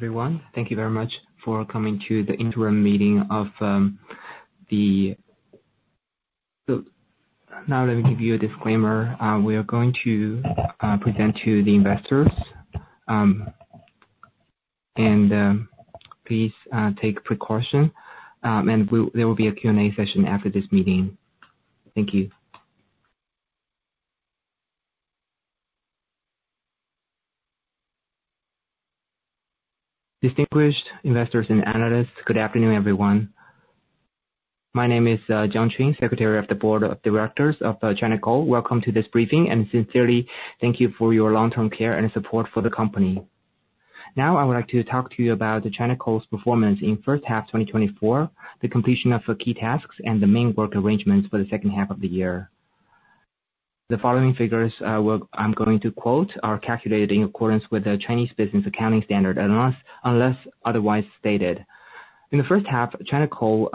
Hello, everyone. Thank you very much for coming to the interim meeting. So now let me give you a disclaimer. We are going to present to the investors. Please take precaution. There will be a Q&A session after this meeting. Thank you. Distinguished investors and analysts, good afternoon, everyone. My name is Jiang Qun, Secretary of the Board of Directors of China Coal. Welcome to this briefing, and sincerely thank you for your long-term care and support for the company. Now, I would like to talk to you about China Coal's performance in the first half of 2024, the completion of the key tasks, and the main work arrangements for the second half of the year. The following figures I'm going to quote are calculated in accordance with the Chinese Business Accounting Standards, unless otherwise stated. In the first half, China Coal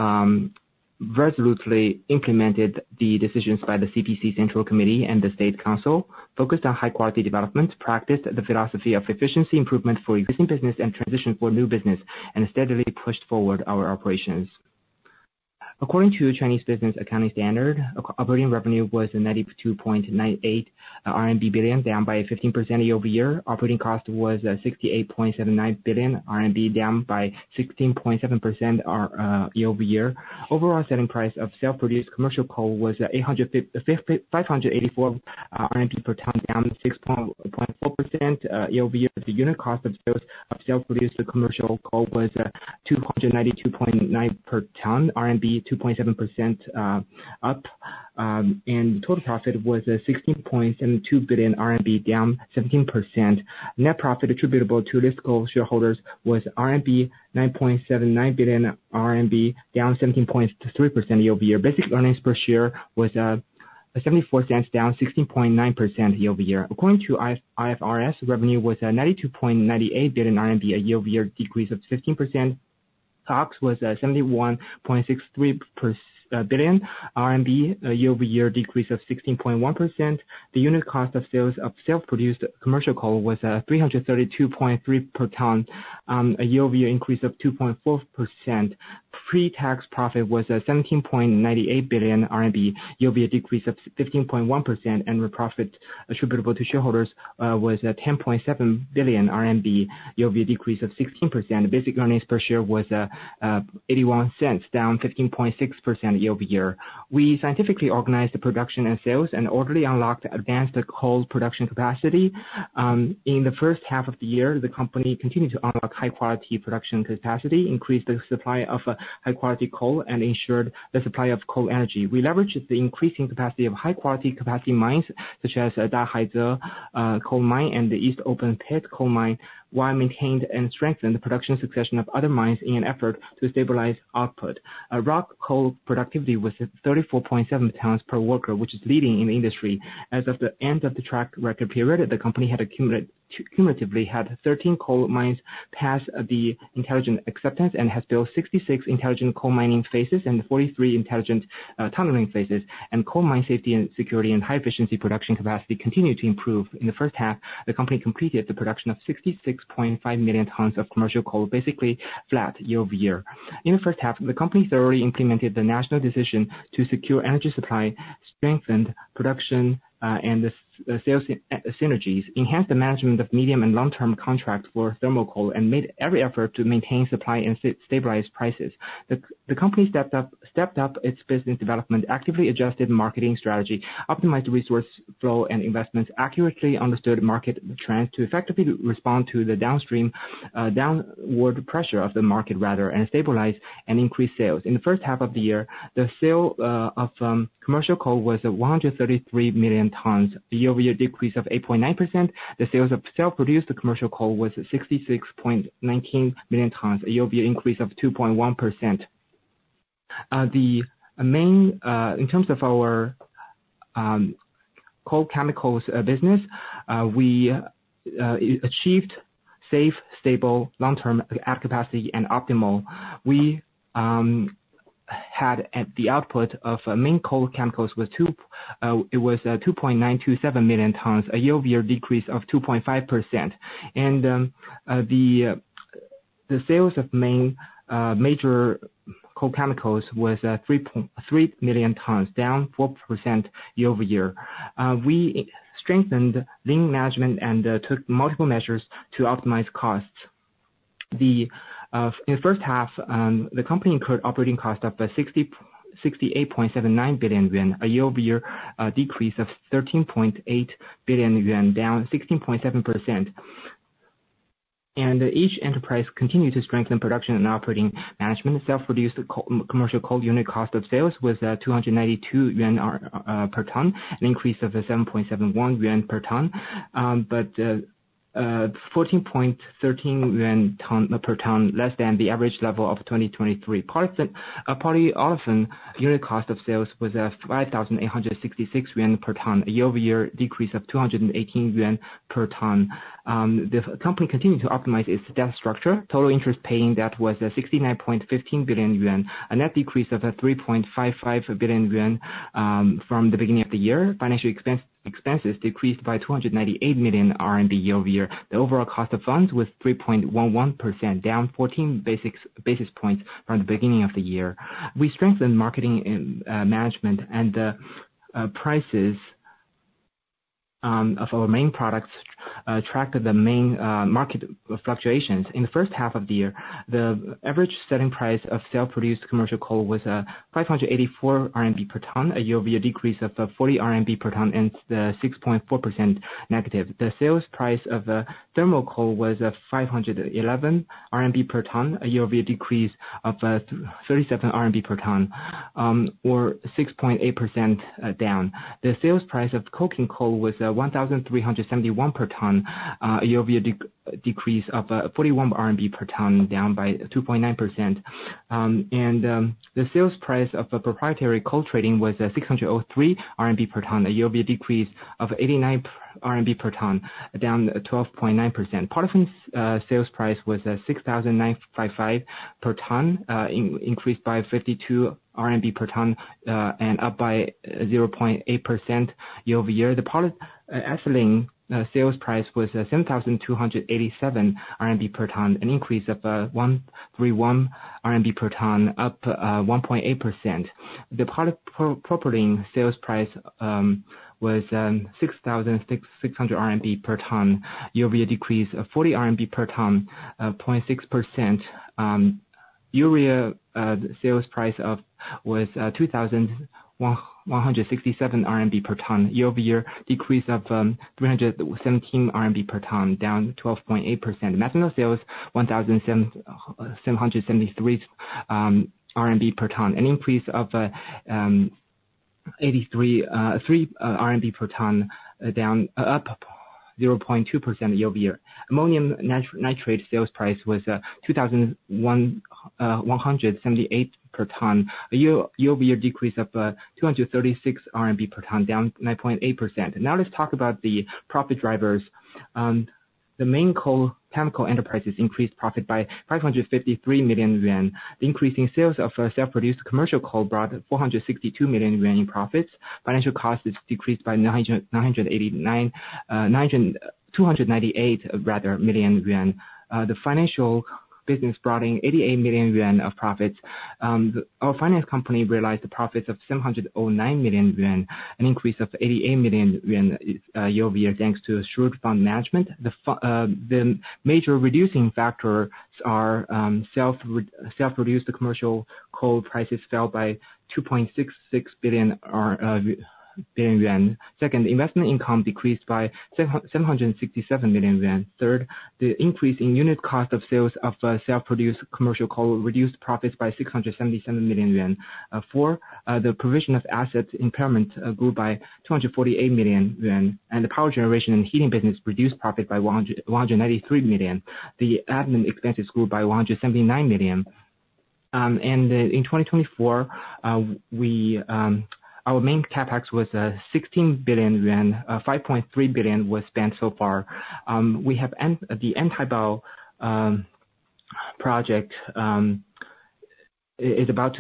resolutely implemented the decisions by the CPC Central Committee and the State Council, focused on high quality development, practiced the philosophy of efficiency improvement for existing business and transition for new business, and steadily pushed forward our operations. According to Chinese Business Accounting Standards, operating revenue was 92.98 billion RMB, down by 15% year-over-year. Operating cost was 68.79 billion RMB, down by 16.7% year-over-year. Overall selling price of self-produced commercial coal was 584 RMB per ton, down 6.4% year-over-year. Pre-tax profit was 17.98 billion RMB, year-over-year decrease of 15.1%, and the profit attributable to shareholders was 10.7 billion RMB, year-over-year decrease of 16%. Basic earnings per share was 0.81, down 15.6% year-over-year. We scientifically organized the production and sales, and orderly unlocked advanced the coal production capacity. In the first half of the year, the company continued to unlock high quality production capacity, increased the supply of high quality coal, and ensured the supply of coal energy. We leveraged the increasing capacity of high quality capacity mines, such as Dahaize Coal Mine and the East Open Pit Coal Mine, while maintained and strengthened the production succession of other mines in an effort to stabilize output. Raw coal productivity was at 34.7 tons per worker, which is leading in the industry. As of the end of the track record period, the company had accumulated cumulatively 13 coal mines pass the intelligent acceptance and has built 66 intelligent coal mining phases and 43 intelligent tunneling phases, and coal mine safety and security and high efficiency production capacity continued to improve. In the first half, the company completed the production of 66.5 million tons of commercial coal, basically flat year-over-year. In the first half, the company thoroughly implemented the national decision to secure energy supply, strengthened production and the sales synergies, enhanced the management of medium and long-term contracts for thermal coal, and made every effort to maintain supply and stabilize prices. The company stepped up its business development, actively adjusted marketing strategy, optimized resource flow and investments, accurately understood market trends to effectively respond to the downstream downward pressure of the market rather than stabilize and increase sales. In the first half of the year, the sale of commercial coal was at 133 million tons, a year-over-year decrease of 8.9%. The sales of self-produced commercial coal was 66.19 million tons, a year-over-year increase of 2.1%. The main in terms of our coal chemicals business, we achieved safe, stable, long-term at capacity and optimal. We had at the output of main coal chemicals was two, it was, 2.927 million tons, a year-over-year decrease of 2.5%. The sales of major coal chemicals was 3.3 million tons, down 4% year-over-year. We strengthened lean management and took multiple measures to optimize costs. In the first half, the company incurred operating cost of 68.79 billion yuan, a year-over-year decrease of 13.8 billion yuan, down 16.7%. Each enterprise continued to strengthen production and operating management. The self-produced commercial coal unit cost of sales was 292 yuan per ton, an increase of 7.71 yuan per ton. But 14.13 yuan per ton less than the average level of 2023. Particularly, the unit cost of sales was 5,866 yuan per ton, a year-over-year decrease of 218 yuan per ton. The company continued to optimize its debt structure. Total interest-paying debt was 69.15 billion yuan, a net decrease of 3.55 billion yuan from the beginning of the year. Financial expenses decreased by 298 million RMB year-over-year. The overall cost of funds was 3.11%, down 14 basis points from the beginning of the year. We strengthened marketing and management and prices of our main products tracked the main market fluctuations. In the first half of the year, the average selling price of self-produced commercial coal was 584 RMB per ton, a year-over-year decrease of 40 RMB per ton, and the 6.4% negative. The sales price of thermal coal was at 511 RMB per ton, a year-over-year decrease of 37 RMB per ton, or 6.8%, down. The sales price of coking coal was 1,371 per ton, a year-over-year decrease of 41 RMB per ton, down by 2.9%, and the sales price of the proprietary coal trading was 603 RMB per ton, a year-over-year decrease of 89 RMB per ton, down 12.9%. sales price was 6,955 per ton, increased by 52 RMB per ton, and up by 0.8% year-over-year. The polyethylene sales price was 7,287 RMB per ton, an increase of 131 RMB per ton, up 1.8%. The polypropylene sales price was 6,600 RMB per ton, year-over-year decrease of 40 RMB per ton, 0.6%. Urea sales price was 2,167 RMB per ton, year-over-year decrease of 317 RMB per ton, down 12.8%. Methanol sales 1,773 RMB per ton, an increase of 83 RMB per ton, up 0.2% year-over-year. Ammonium nitrate sales price was 2,178 per ton, a year-over-year decrease of 236 RMB per ton, down 9.8%. Now let's talk about the profit drivers. The main coal chemical enterprises increased profit by 553 million yuan, increasing sales of self-produced commercial coal brought 462 million yuan in profits. Financial costs is decreased by 298 million yuan, rather. The financial business brought in 88 million yuan of profits. Our finance company realized the profits of 709 million yuan, an increase of 88 million yuan year-over-year, thanks to shrewd fund management. The major reducing factors are self-produced commercial coal prices fell by 2.66 billion. Second, investment income decreased by 767 million yuan. Third, the increase in unit cost of sales of self-produced commercial coal reduced profits by 677 million yuan. Four, the provision of assets impairment grew by 248 million yuan, and the power generation and heating business reduced profit by 193 million. The admin expenses grew by 179 million. In 2024, our main CapEx was 16 billion yuan. 5.3 billion was spent so far. We have the Antaibao project, which is about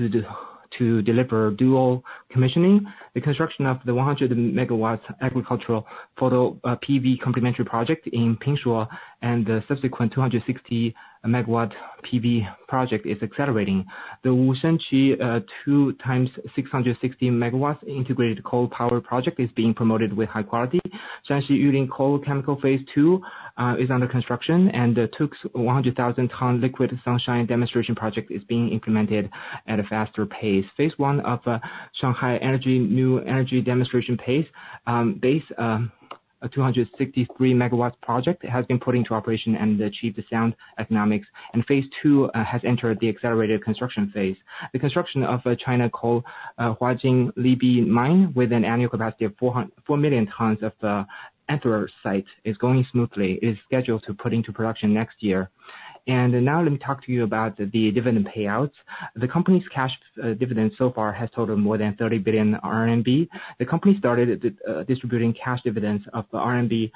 to deliver dual commissioning. The construction of the 100 megawatts agricultural photovoltaic PV complementary project in Pingshuo, and the subsequent 260 megawatt PV project is accelerating. The Wushen Banner 2x 660 megawatts integrated coal power project is being promoted with high quality. Shaanxi Yulin Coal Chemical Phase two is under construction, and the Tuke 100,000-ton Liquid Sunshine demonstration project is being implemented at a faster pace. Phase one of Shanghai Energy new energy demonstration base, a 263 megawatts project has been put into operation and achieved sound economics, and Phase two has entered the accelerated construction phase. The construction of China Coal Huajin Libi Mine, with an annual capacity of four million tons of anthracite, is going smoothly, is scheduled to put into production next year. Now let me talk to you about the dividend payouts. The company's cash dividend so far has totaled more than 30 billion RMB. The company started distributing cash dividends of RMB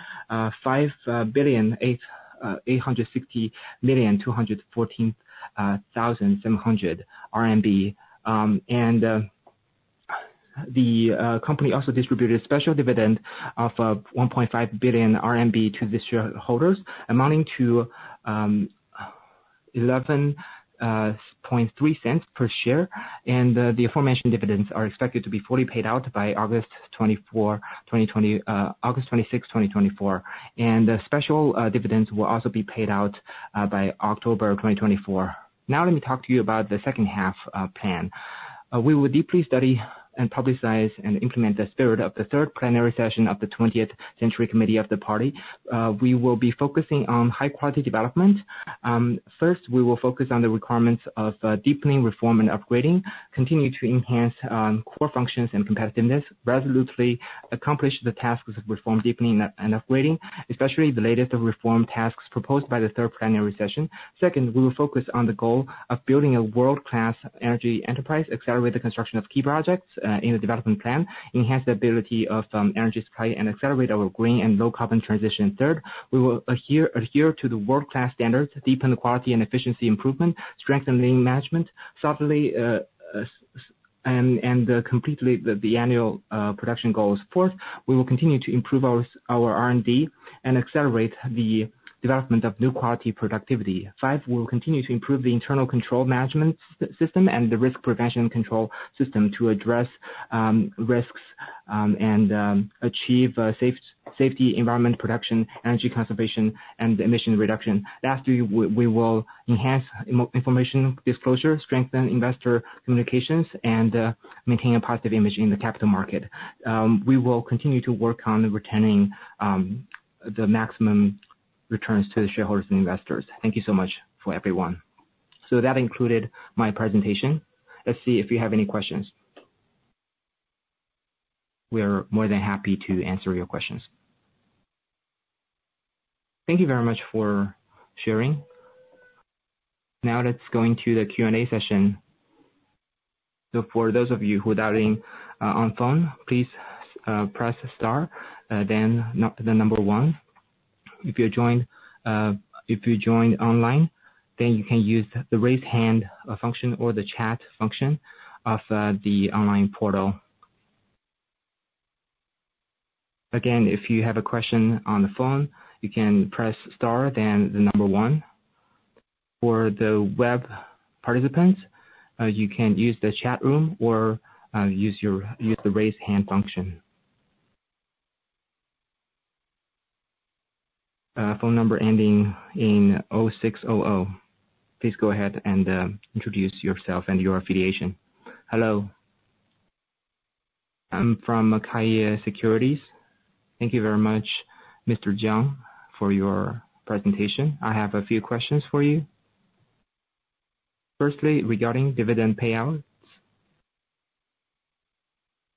5 billion, 860 million, 214 thousand, 700. The company also distributed special dividend of 1.5 billion RMB to the shareholders, amounting to 11.3 cents per share. The aforementioned dividends are expected to be fully paid out by August twenty-sixth, 2024. The special dividends will also be paid out by October twenty twenty-four. Now, let me talk to you about the second half plan. We will deeply study and publicize and implement the spirit of the Third Plenary Session of the 20th Central Committee of the Party. We will be focusing on high quality development. First, we will focus on the requirements of deepening reform and upgrading, continue to enhance core functions and competitiveness, resolutely accomplish the tasks of reform, deepening reform and upgrading, especially the latest reform tasks proposed by the Third Plenary Session. Second, we will focus on the goal of building a world-class energy enterprise, accelerate the construction of key projects in the development plan, enhance the ability of energy supply, and accelerate our green and low carbon transition. Third, we will adhere to the world-class standards, deepen the quality and efficiency improvement, strengthen lean management subtly, and completely the annual production goals. Fourth, we will continue to improve our R&D and accelerate the development of new quality productivity. Five, we will continue to improve the internal control management system and the risk prevention and control system to address risks...... and achieve safety, environment, production, energy conservation, and emission reduction. After, we will enhance information disclosure, strengthen investor communications, and maintain a positive image in the capital market. We will continue to work on returning the maximum returns to the shareholders and investors. Thank you so much for everyone. So that included my presentation. Let's see if you have any questions. We are more than happy to answer your questions. Thank you very much for sharing. Now, let's go into the Q&A session. So for those of you who dialing on phone, please press star, then the number one. If you joined online, then you can use the Raise Hand function or the chat function of the online portal. Again, if you have a question on the phone, you can press star then the number one. For the web participants, you can use the chat room or, use your, use the Raise Hand function. Phone number ending in oh six oh oh, please go ahead and, introduce yourself and your affiliation. Hello. I'm from Kaiyuan Securities. Thank you very much, Mr. Jiang, for your presentation. I have a few questions for you. Firstly, regarding dividend payouts,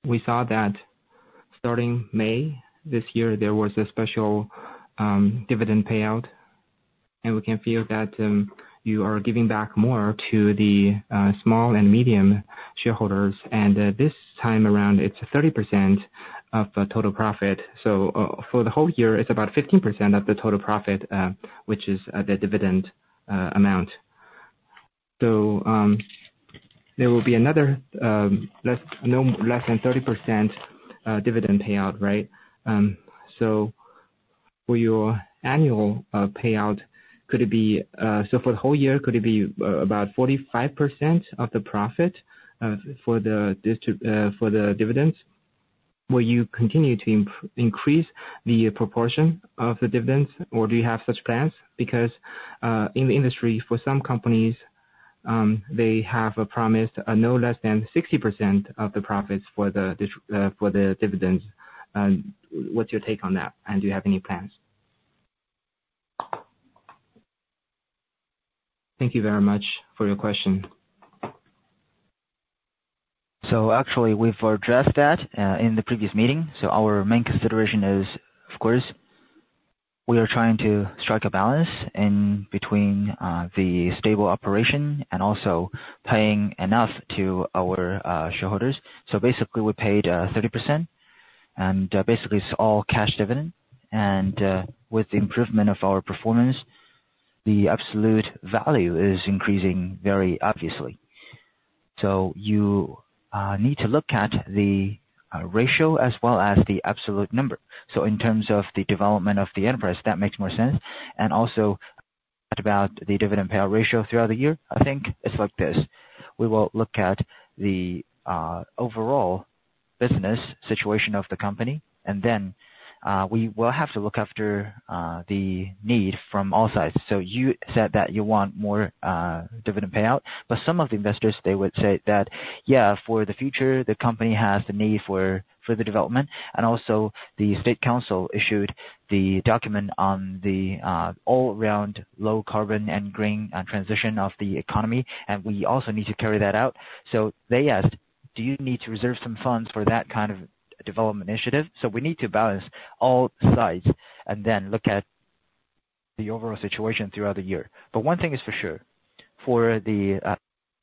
we saw that starting May, this year, there was a special, dividend payout, and we can feel that, you are giving back more to the, small and medium shareholders. And, this time around, it's 30% of, total profit. So, for the whole year, it's about 15% of the total profit, which is, the dividend, amount. So there will be another, no less than 30% dividend payout, right? So for your annual payout, could it be... So for the whole year, could it be about 45% of the profit for the dividends? Will you continue to increase the proportion of the dividends, or do you have such plans? Because in the industry, for some companies, they have a promise of no less than 60% of the profits for the dividends. What's your take on that, and do you have any plans? Thank you very much for your question. So actually, we've addressed that in the previous meeting. Our main consideration is, of course, we are trying to strike a balance in between the stable operation and also paying enough to our shareholders. Basically, we paid 30%, and basically, it's all cash dividend. And with the improvement of our performance, the absolute value is increasing very obviously. You need to look at the ratio as well as the absolute number. In terms of the development of the enterprise, that makes more sense. And also, about the dividend payout ratio throughout the year, I think it's like this: We will look at the overall business situation of the company, and then we will have to look after the need from all sides. You said that you want more dividend payout, but some of the investors would say that, "Yeah, for the future, the company has the need for the development." Also, the State Council issued the document on the all-around low-carbon and green transition of the economy, and we also need to carry that out. So they asked, "Do you need to reserve some funds for that kind of development initiative?" We need to balance all sides and then look at the overall situation throughout the year. But one thing is for sure: for the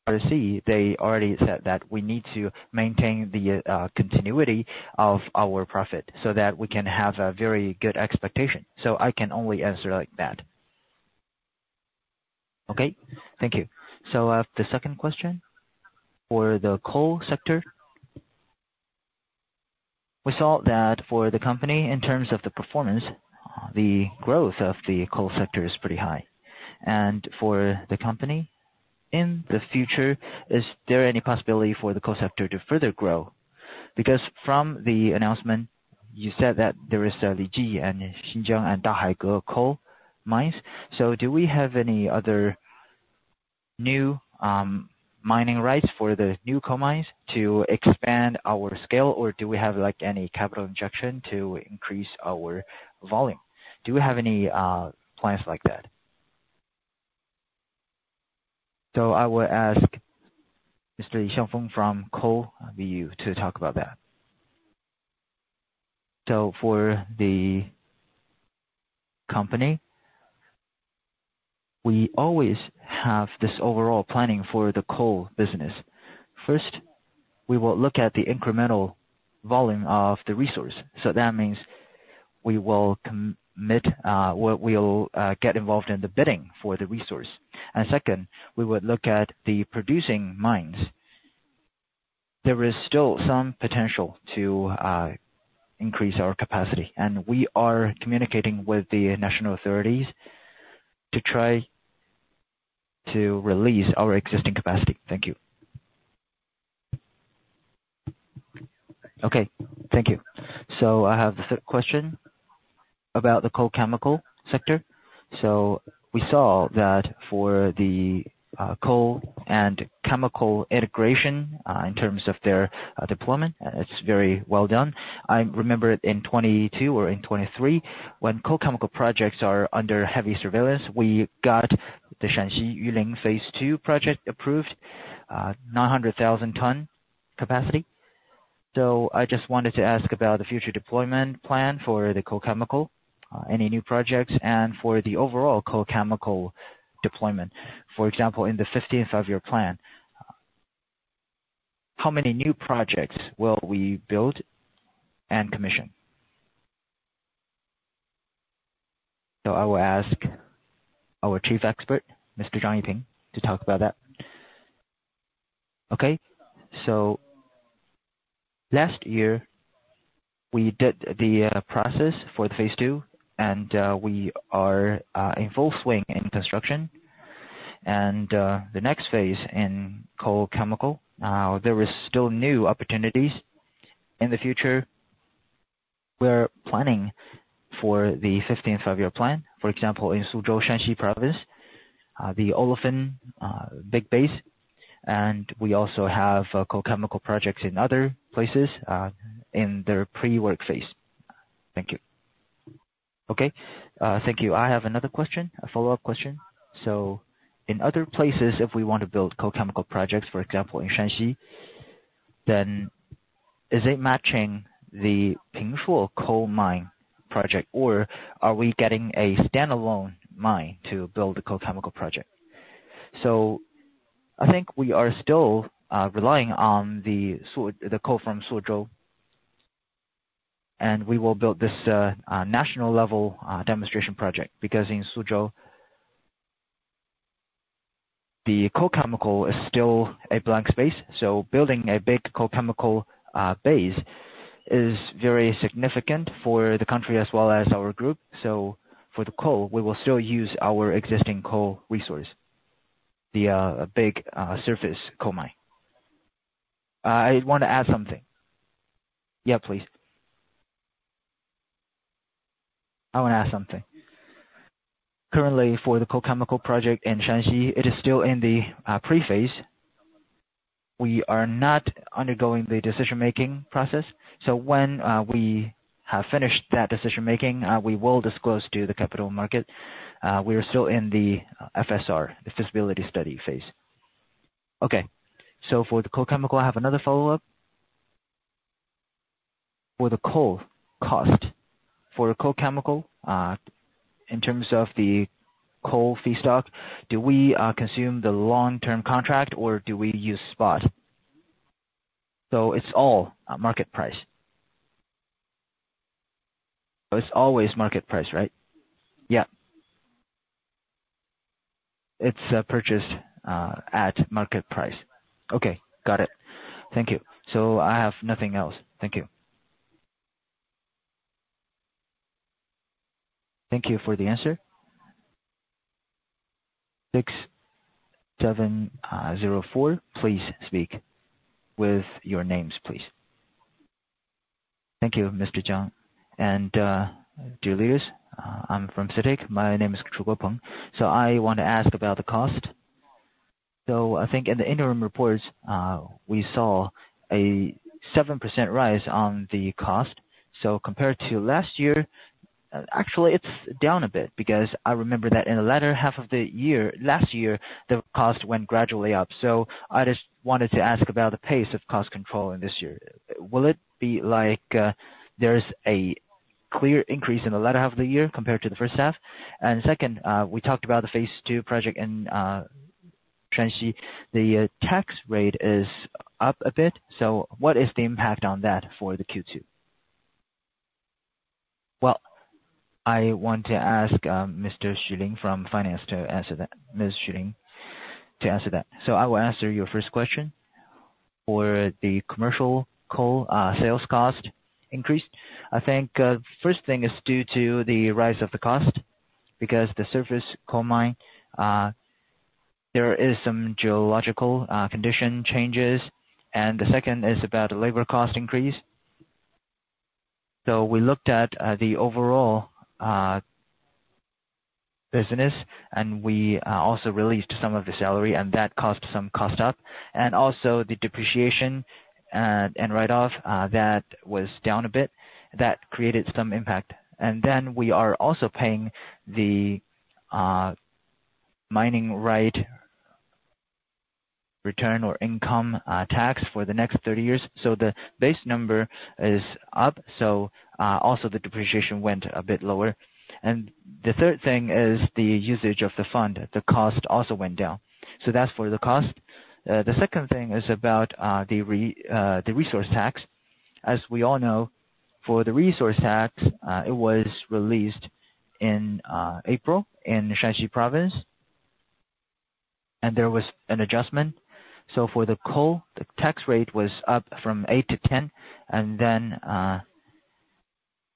RC, they already said that we need to maintain the continuity of our profit so that we can have a very good expectation. So I can only answer like that. Okay, thank you. So, the second question. For the coal sector, we saw that for the company, in terms of the performance, the growth of the coal sector is pretty high, and for the company, in the future, is there any possibility for the coal sector to further grow? Because from the announcement, you said that there is the Libi and Xinjiang and Dahaize Coal Mines, so do we have any other new mining rights for the new coal mines to expand our scale, or do we have, like, any capital injection to increase our volume? Do we have any plans like that, so I will ask Mr. Li Xiangfeng from the Coal Business Unit to talk about that. So for the company, we always have this overall planning for the coal business. First, we will look at the incremental volume of the resource, so that means we will commit, we get involved in the bidding for the resource. And second, we would look at the producing mines. There is still some potential to increase our capacity, and we are communicating with the national authorities to release our existing capacity. Thank you. Okay, thank you. So I have the third question about the coal chemical sector. So we saw that for the coal and chemical integration, in terms of their deployment, it's very well done. I remember it in 2022 or in 2023, when coal chemical projects are under heavy surveillance, we got the Shanxi Yulin phase two project approved, 900,000-ton capacity. So I just wanted to ask about the future deployment plan for the coal chemical, any new projects, and for the overall coal chemical deployment. For example, in the 15th Five-Year Plan, how many new projects will we build and commission? So I will ask our chief expert, Mr. Yi Peng, to talk about that. So last year, we did the process for the phase two, and we are in full swing in construction. And the next phase in coal chemical, there is still new opportunities. In the future, we're planning for the 15th Five-Year Plan. For example, in Shuozhou, Shanxi Province, the olefin big base, and we also have coal chemical projects in other places in their pre-work phase. Thank you. Thank you. I have another question, a follow-up question. So in other places, if we want to build coal chemical projects, for example, in Shanxi, then is it matching the coal mine project, or are we getting a standalone mine to build a coal chemical project? So I think we are still relying on the coal from Shuozhou, and we will build this national level demonstration project, because in Shuozhou, the coal chemical is still a blank space. So building a big coal chemical base is very significant for the country as well as our group. So for the coal, we will still use our existing coal resource, the big surface coal mine. I want to add something. Yeah, please. Currently, for the coal chemical project in Shanxi, it is still in the pre-phase. We are not undergoing the decision-making process. So when we have finished that decision-making, we will disclose to the capital market. We are still in the FSR, the feasibility study phase. Okay. So for the coal chemical, I have another follow-up. For the coal cost, for the coal chemical, in terms of the coal feedstock, do we consume the long-term contract or do we use spot? So it's all at market price. It's always market price, right? Yeah. It's purchased at market price. Okay, got it. Thank you. So I have nothing else. Thank you. Thank you for the answer. 6704, please speak with your names, please. Thank you, Mr. Zhang. And dear leaders, I'm from CITIC. My name is Zhu Guopeng. So I want to ask about the cost. So I think in the interim reports, we saw a 7% rise on the cost. So compared to last year, actually, it's down a bit, because I remember that in the latter half of the year, last year, the cost went gradually up. So I just wanted to ask about the pace of cost control in this year. Will it be like there's a clear increase in the latter half of the year compared to the first half? And second, we talked about the phase two project in Shaanxi. The tax rate is up a bit, so what is the impact on that for the Q2? I want to ask Mr. Xu Ling from Finance to answer that. Ms. Xu Ling, to answer that. So I will answer your first question. For the commercial coal sales cost increase, I think first thing is due to the rise of the cost, because the surface coal mine there is some geological condition changes, and the second is about labor cost increase. So we looked at the overall business, and we also released some of the salary, and that cost some cost up. And also the depreciation and write-off that was down a bit, that created some impact. And then we are also paying the mining right return or income tax for the next thirty years. So the base number is up, so also the depreciation went a bit lower. And the third thing is the usage of the fund. The cost also went down. So that's for the cost. The second thing is about the re... The resource tax. As we all know, for the resource tax, it was released in April, in Shaanxi province, and there was an adjustment. So for the coal, the tax rate was up from eight to 10, and then,...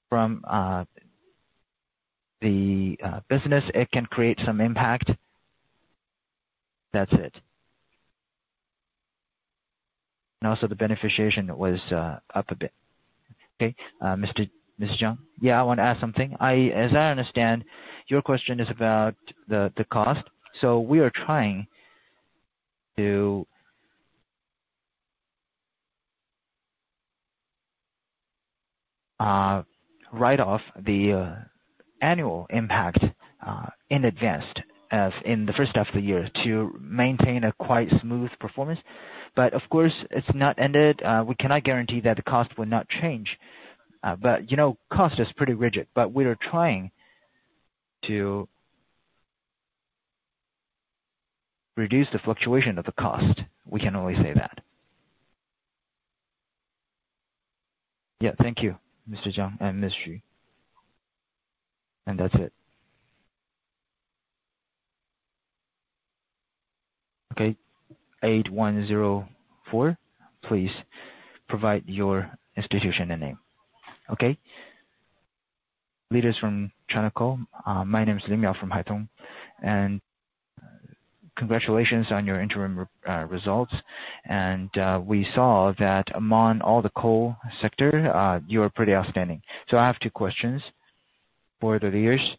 from the business, it can create some impact. That's it. And also the beneficiation was up a bit. Okay, Mr. Zhang? Yeah, I want to add something. As I understand, your question is about the cost. So we are trying to write off the annual impact in advance, as in the first half of the year, to maintain a quite smooth performance. But of course, it's not ended. We cannot guarantee that the cost will not change. But, you know, cost is pretty rigid, but we are trying to reduce the fluctuation of the cost. We can only say that. Yeah. Thank you, Mr. Zhang and Ms. Xu, and that's it. Okay, eight one zero four, please provide your institution and name. Okay. Leaders from China Coal, my name is Li Miao from Haitong, and congratulations on your interim results. We saw that among all the coal sector, you are pretty outstanding. I have two questions for the leaders.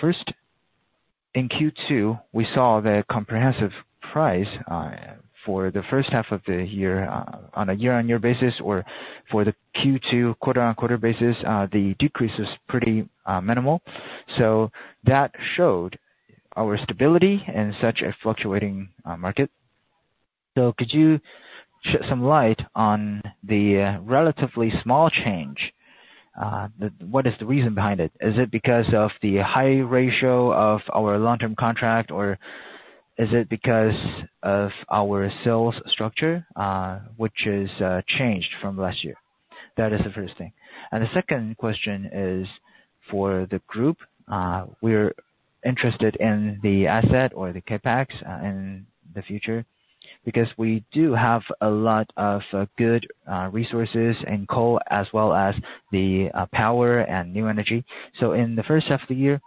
First, in Q2, we saw the comprehensive price for the first half of the year, on a year-on-year basis or for the Q2 quarter-on-quarter basis, the decrease is pretty minimal. That showed our stability in such a fluctuating market. Could you shed some light on the relatively small change? What is the reason behind it? Is it because of the high ratio of our long-term contract, or is it because of our sales structure, which is changed from last year? That is the first thing. And the second question is for the group. We're interested in the asset or the CapEx in the future, because we do have a lot of good resources in coal as well as the power and new energy. So in the first half of the year,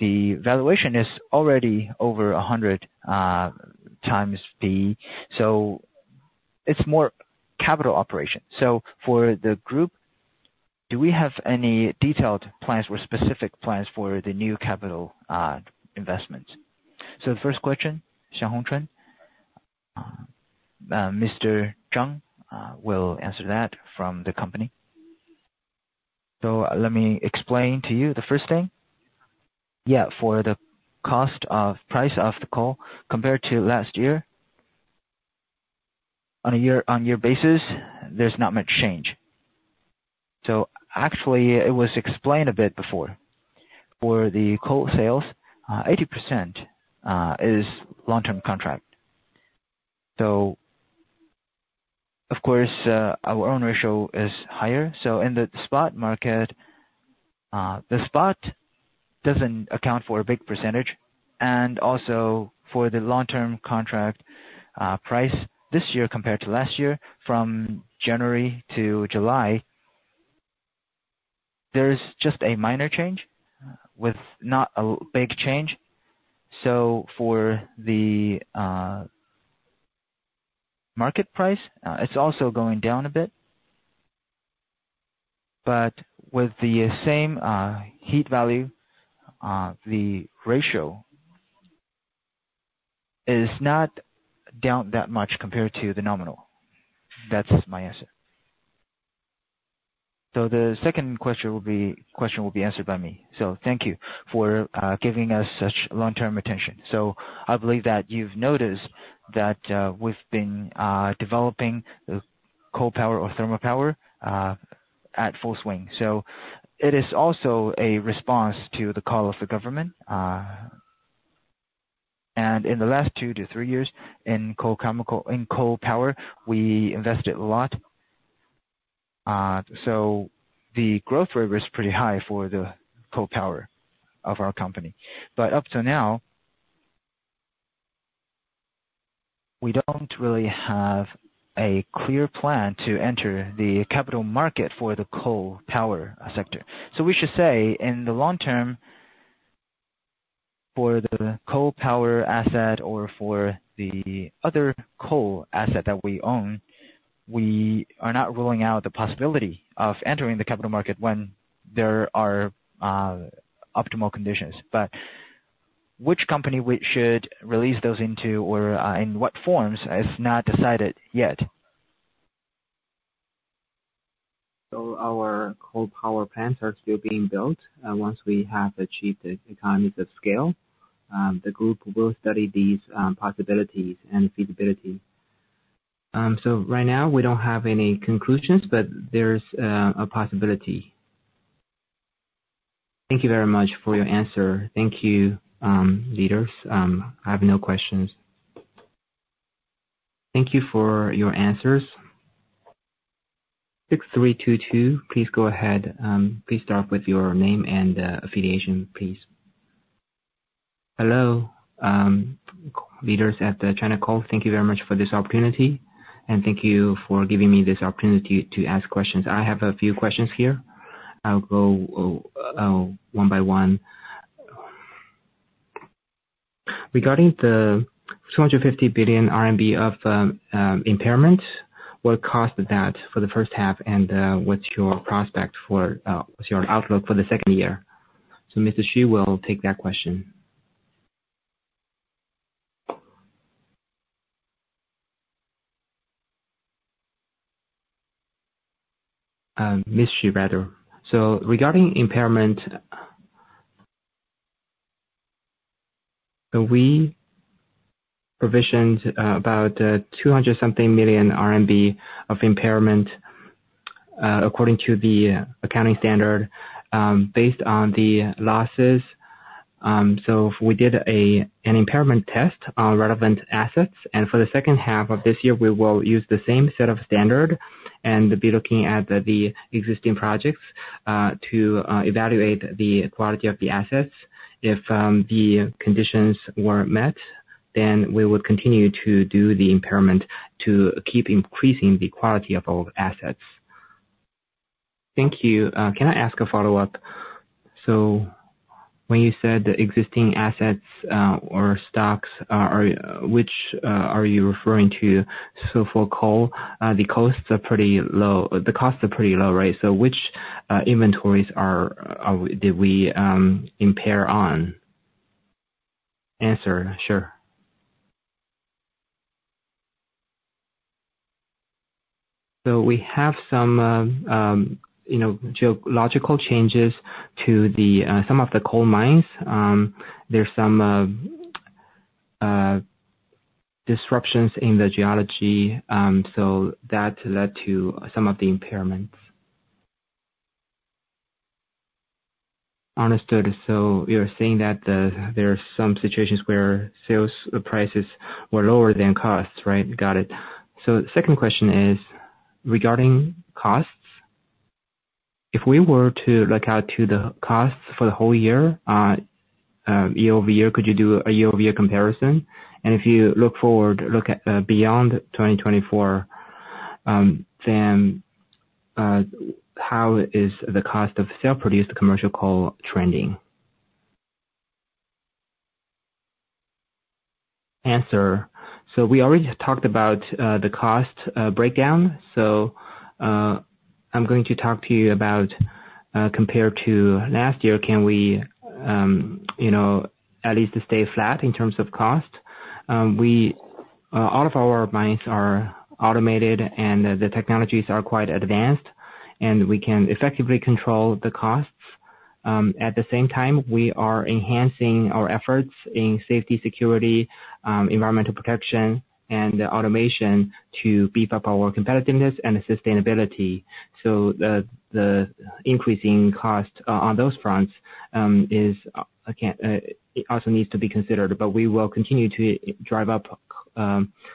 the valuation is already over a hundred times the... So it's more capital operation. So for the group, do we have any detailed plans or specific plans for the new capital investments? So the first question, Zhang Hongchen. Mr. Zhang will answer that from the company. So let me explain to you the first thing. Yeah, for the cost of price of the coal compared to last year, on a year-on-year basis, there's not much change. So actually, it was explained a bit before. For the coal sales, 80% is long-term contract. So of course, our own ratio is higher. So in the spot market, the spot doesn't account for a big percentage, and also for the long-term contract, price this year compared to last year, from January to July, there's just a minor change, with not a big change. So for the market price, it's also going down a bit. But with the same heat value, the ratio is not down that much compared to the nominal. That's my answer. The second question will be answered by me. So thank you for giving us such long-term attention. So I believe that you've noticed that we've been developing the coal power or thermal power at full swing. So it is also a response to the call of the government, and in the last two to three years, in coal power, we invested a lot. So the growth rate was pretty high for the coal power of our company. But up to now, we don't really have a clear plan to enter the capital market for the coal power sector. So we should say, in the long term, for the coal power asset or for the other coal asset that we own, we are not ruling out the possibility of entering the capital market when there are optimal conditions. But which company we should release those into or, in what forms, is not decided yet. Our coal power plants are still being built. Once we have achieved the economies of scale, the group will study these possibilities and feasibility. Right now, we don't have any conclusions, but there's a possibility. Thank you very much for your answer. Thank you, leaders. I have no questions. Thank you for your answers. Six three two two, please go ahead. Please start off with your name and, affiliation, please.... Hello, leaders at China Coal. Thank you very much for this opportunity, and thank you for giving me this opportunity to ask questions. I have a few questions here. I'll go one by one. Regarding the 250 billion RMB of impairment, what caused that for the first half, and what's your prospect for what's your outlook for the second year? So Mr. Xu will take that question. Ms. Xu, rather. So regarding impairment, we provisioned about two hundred something million RMB of impairment according to the accounting standard based on the losses. So we did an impairment test on relevant assets, and for the second half of this year, we will use the same set of standard and be looking at the existing projects to evaluate the quality of the assets. If the conditions weren't met, then we would continue to do the impairment to keep increasing the quality of our assets. Thank you. Can I ask a follow-up? So when you said the existing assets or stocks, which are you referring to? So for coal, the costs are pretty low, the costs are pretty low, right? So which inventories did we impair on? Answer. Sure. So we have some you know geological changes to some of the coal mines. There's some disruptions in the geology, so that led to some of the impairments. Understood. So you're saying that there are some situations where sales prices were lower than costs, right? Got it. So the second question is, regarding costs, if we were to look out to the costs for the whole year, year-over-year, could you do a year-over-year comparison? And if you look forward, look at, beyond 2024, then, how is the cost of self-produced commercial coal trending? Answer. So we already talked about the cost breakdown. So, I'm going to talk to you about, compared to last year, can we, you know, at least stay flat in terms of cost? We all of our mines are automated and the technologies are quite advanced, and we can effectively control the costs. At the same time, we are enhancing our efforts in safety, security, environmental protection, and automation to beef up our competitiveness and sustainability. So the increasing cost on those fronts is again it also needs to be considered, but we will continue to drive up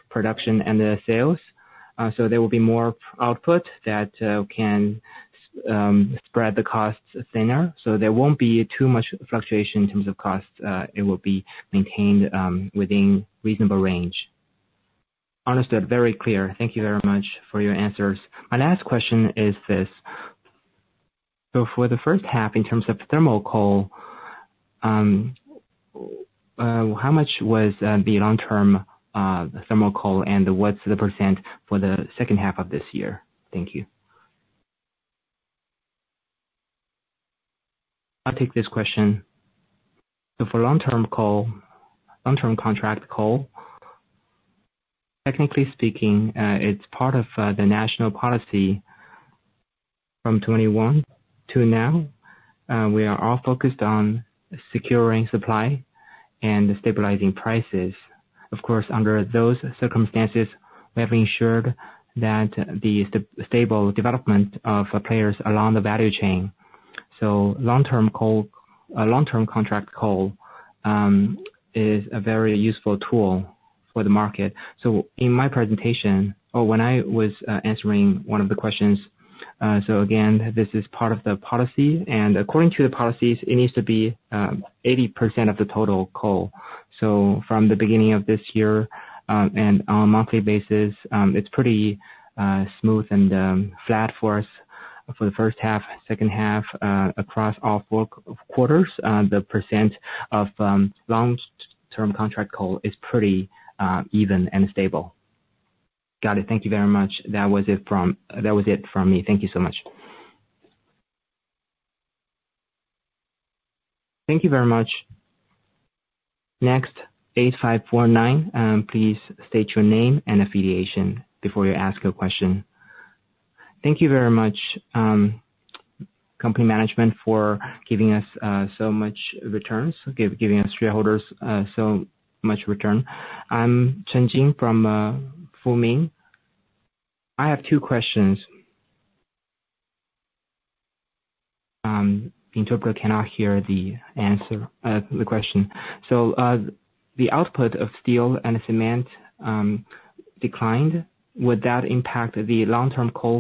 production and the sales so there will be more output that can spread the costs thinner. So there won't be too much fluctuation in terms of cost. It will be maintained within reasonable range. Understood. Very clear. Thank you very much for your answers. My last question is this: So for the first half, in terms of thermal coal, how much was the long-term thermal coal, and what's the percent for the second half of this year? Thank you. I'll take this question. So for long-term coal, long-term contract coal, technically speaking, it's part of the national policy from 2021 to now. We are all focused on securing supply and stabilizing prices. Of course, under those circumstances, we have ensured that the stable development of players along the value chain. So long-term coal, long-term contract coal, is a very useful tool for the market. So in my presentation, or when I was answering one of the questions, so again, this is part of the policy, and according to the policies, it needs to be 80% of the total coal. So from the beginning of this year, and on a monthly basis, it's pretty smooth and flat for us. For the first half, second half, across all quarters, the percent of long-term contract coal is pretty even and stable. Got it. Thank you very much. That was it from me. Thank you so much. Thank you very much. Next, 8549. Please state your name and affiliation before you ask a question. Thank you very much, company management, for giving us so much returns, giving us shareholders so much return. I'm Chen Jing from Fullgoal. I have two questions. Interpreter cannot hear the answer, the question. So the output of steel and cement declined. Would that impact the long-term coal...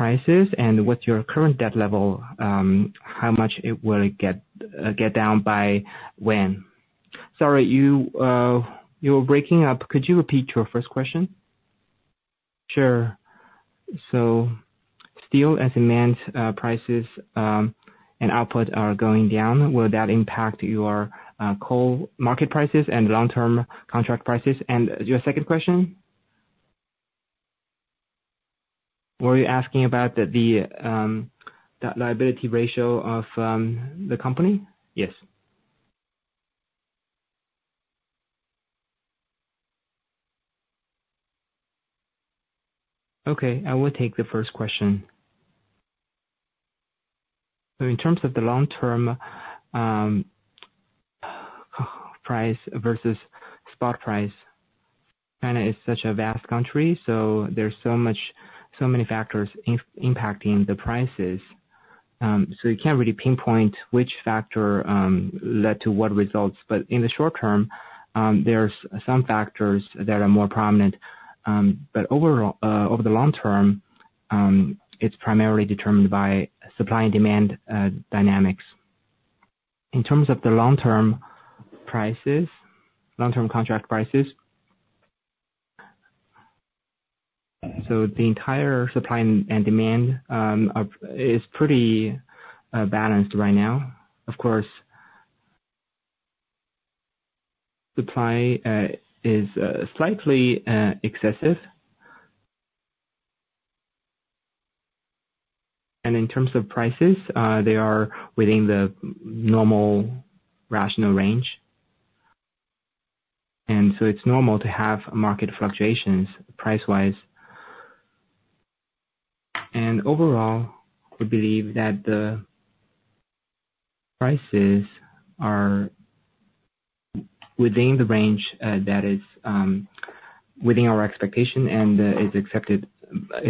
prices, and what's your current debt level, how much it will get down by when? Sorry, you're breaking up. Could you repeat your first question? Sure. So steel and demand, prices, and output are going down, will that impact your, coal market prices and long-term contract prices? And your second question? Were you asking about the liability ratio of the company? Yes. Okay, I will take the first question. So in terms of the long-term, price versus spot price, China is such a vast country, so there's so many factors impacting the prices. So you can't really pinpoint which factor led to what results. But in the short term, there's some factors that are more prominent. But overall, over the long term, it's primarily determined by supply and demand dynamics. In terms of the long-term prices, long-term contract prices, so the entire supply and demand is pretty balanced right now. Of course, supply is slightly excessive. And in terms of prices, they are within the normal rational range. And so it's normal to have market fluctuations price-wise. And overall, we believe that the prices are within the range that is within our expectation and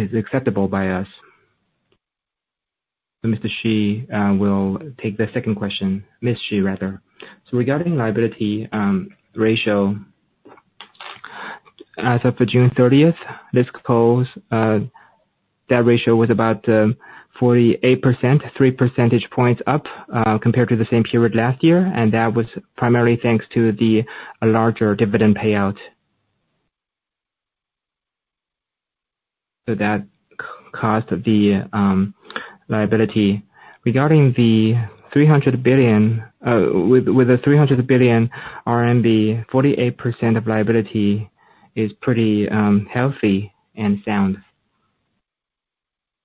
is acceptable by us. So Mr. Xu will take the second question. Ms. Xu, rather. So regarding liability ratio, as of June 30th, liquidity position, that ratio was about 48%, three percentage points up compared to the same period last year, and that was primarily thanks to a larger dividend payout. So that caused the liability. Regarding the 300 billion, with the 300 billion RMB RMB, 48% of liability is pretty healthy and sound.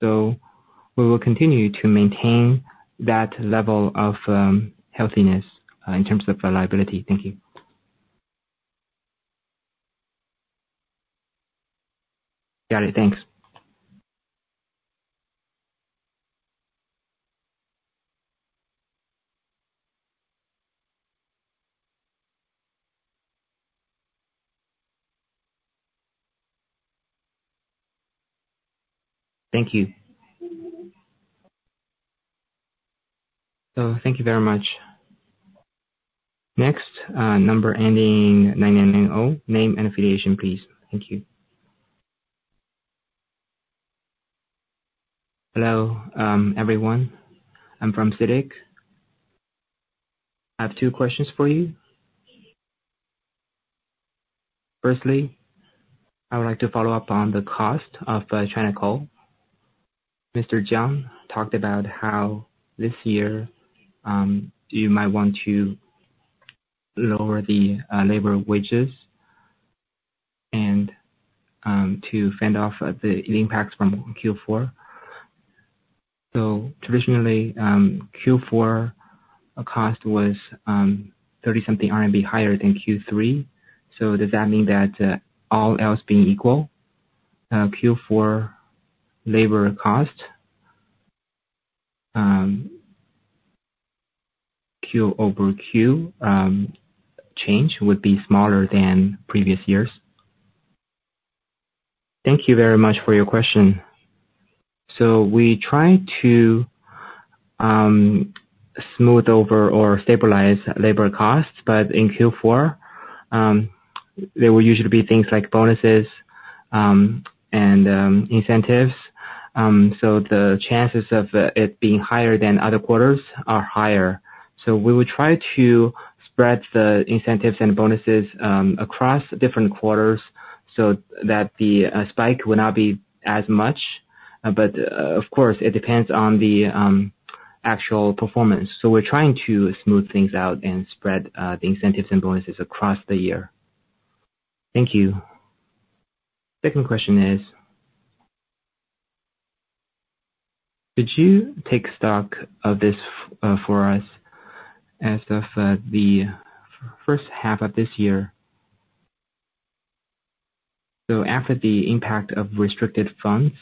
So we will continue to maintain that level of healthiness in terms of the liability. Thank you. Got it. Thanks. Thank you. So, thank you very much. Next, number ending 9990. Name and affiliation, please. Thank you. Hello, everyone. I'm from CITIC. I have two questions for you. Firstly, I would like to follow up on the cost of China Coal. Mr. Jiang talked about how this year you might want to lower the labor wages and to fend off the impacts from Q4. So traditionally Q4 cost was thirty-something RMB higher than Q3. So does that mean that all else being equal Q4 labor cost Q over Q change would be smaller than previous years? Thank you very much for your question. So we try to smooth over or stabilize labor costs, but in Q4 there will usually be things like bonuses and incentives. So the chances of it being higher than other quarters are higher. So we will try to spread the incentives and bonuses across different quarters so that the spike will not be as much. But of course it depends on the actual performance. So we're trying to smooth things out and spread the incentives and bonuses across the year. Thank you. Second question is, could you take stock of this for us as of the first half of this year? So after the impact of restricted funds,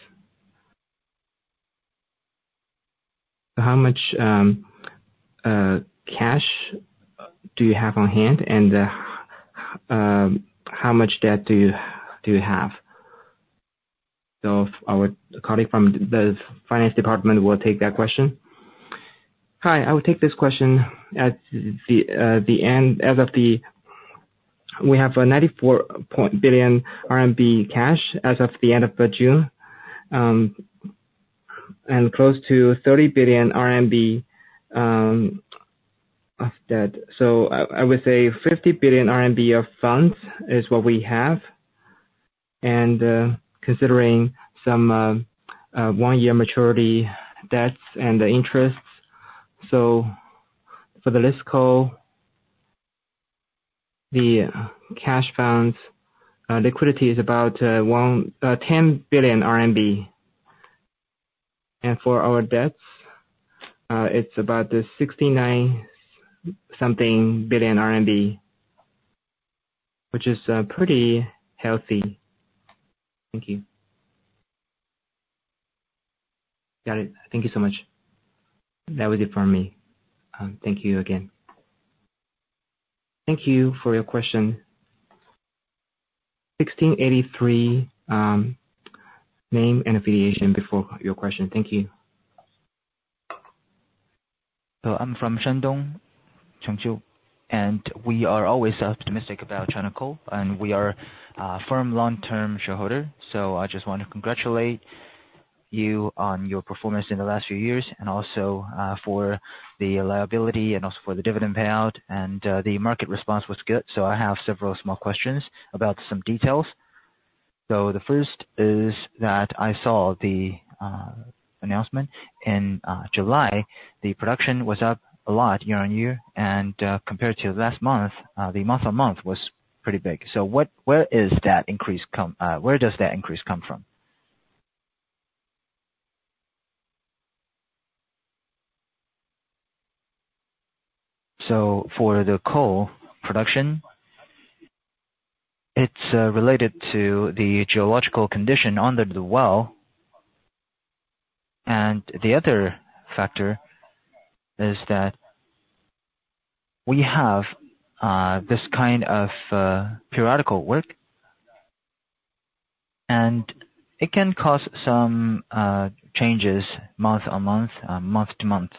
how much cash do you have on hand, and how much debt do you have? So our colleague from the finance department will take that question. ... Hi, I will take this question. At the end, as of the, we have 94 billion RMB cash as of the end of June, and close to 30 billion RMB of debt. So I would say 50 billion RMB of funds is what we have, and considering some one-year maturity debts and the interests. So for the list call, the cash funds liquidity is about 110 billion RMB. And for our debts, it's about the 69-something billion RMB, which is pretty healthy. Thank you. Got it. Thank you so much. That was it for me. Thank you again. Thank you for your question. Sixteen eighty-three, name and affiliation before your question. Thank you. So I'm from Shandong Energy, and we are always optimistic about China Coal, and we are a firm long-term shareholder. So I just want to congratulate you on your performance in the last few years, and also for the liquidity and also for the dividend payout. And the market response was good. So I have several small questions about some details. So the first is that I saw the announcement in July. The production was up a lot year-on-year, and compared to last month, the month-on-month was pretty big. So where does that increase come from? So for the coal production, it's related to the geological condition under the well. The other factor is that we have this kind of periodical work, and it can cause some changes month on month, month to month.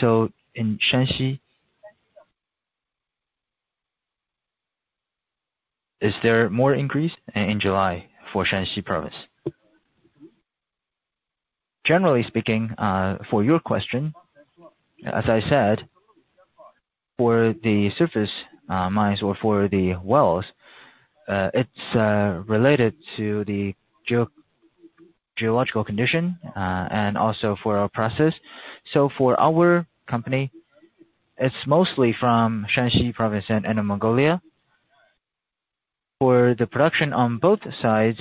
So in Shanxi. Is there more increase in July for Shaanxi province? Generally speaking, for your question, as I said, for the surface mines or for the wells, it's related to the geological condition, and also for our process. So for our company, it's mostly from Shaanxi Province and Inner Mongolia. For the production on both sides,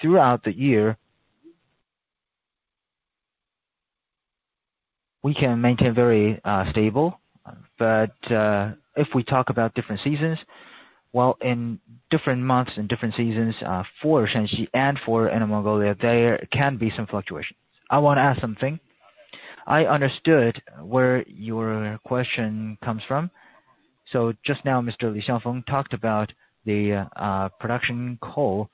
throughout the year, we can maintain very stable. But if we talk about different seasons, well, in different months and different seasons, for Shanxi and for Inner Mongolia, there can be some fluctuations. I want to add something. I understood where your question comes from. So just now, Mr. Li Xiangfeng talked about the production coal.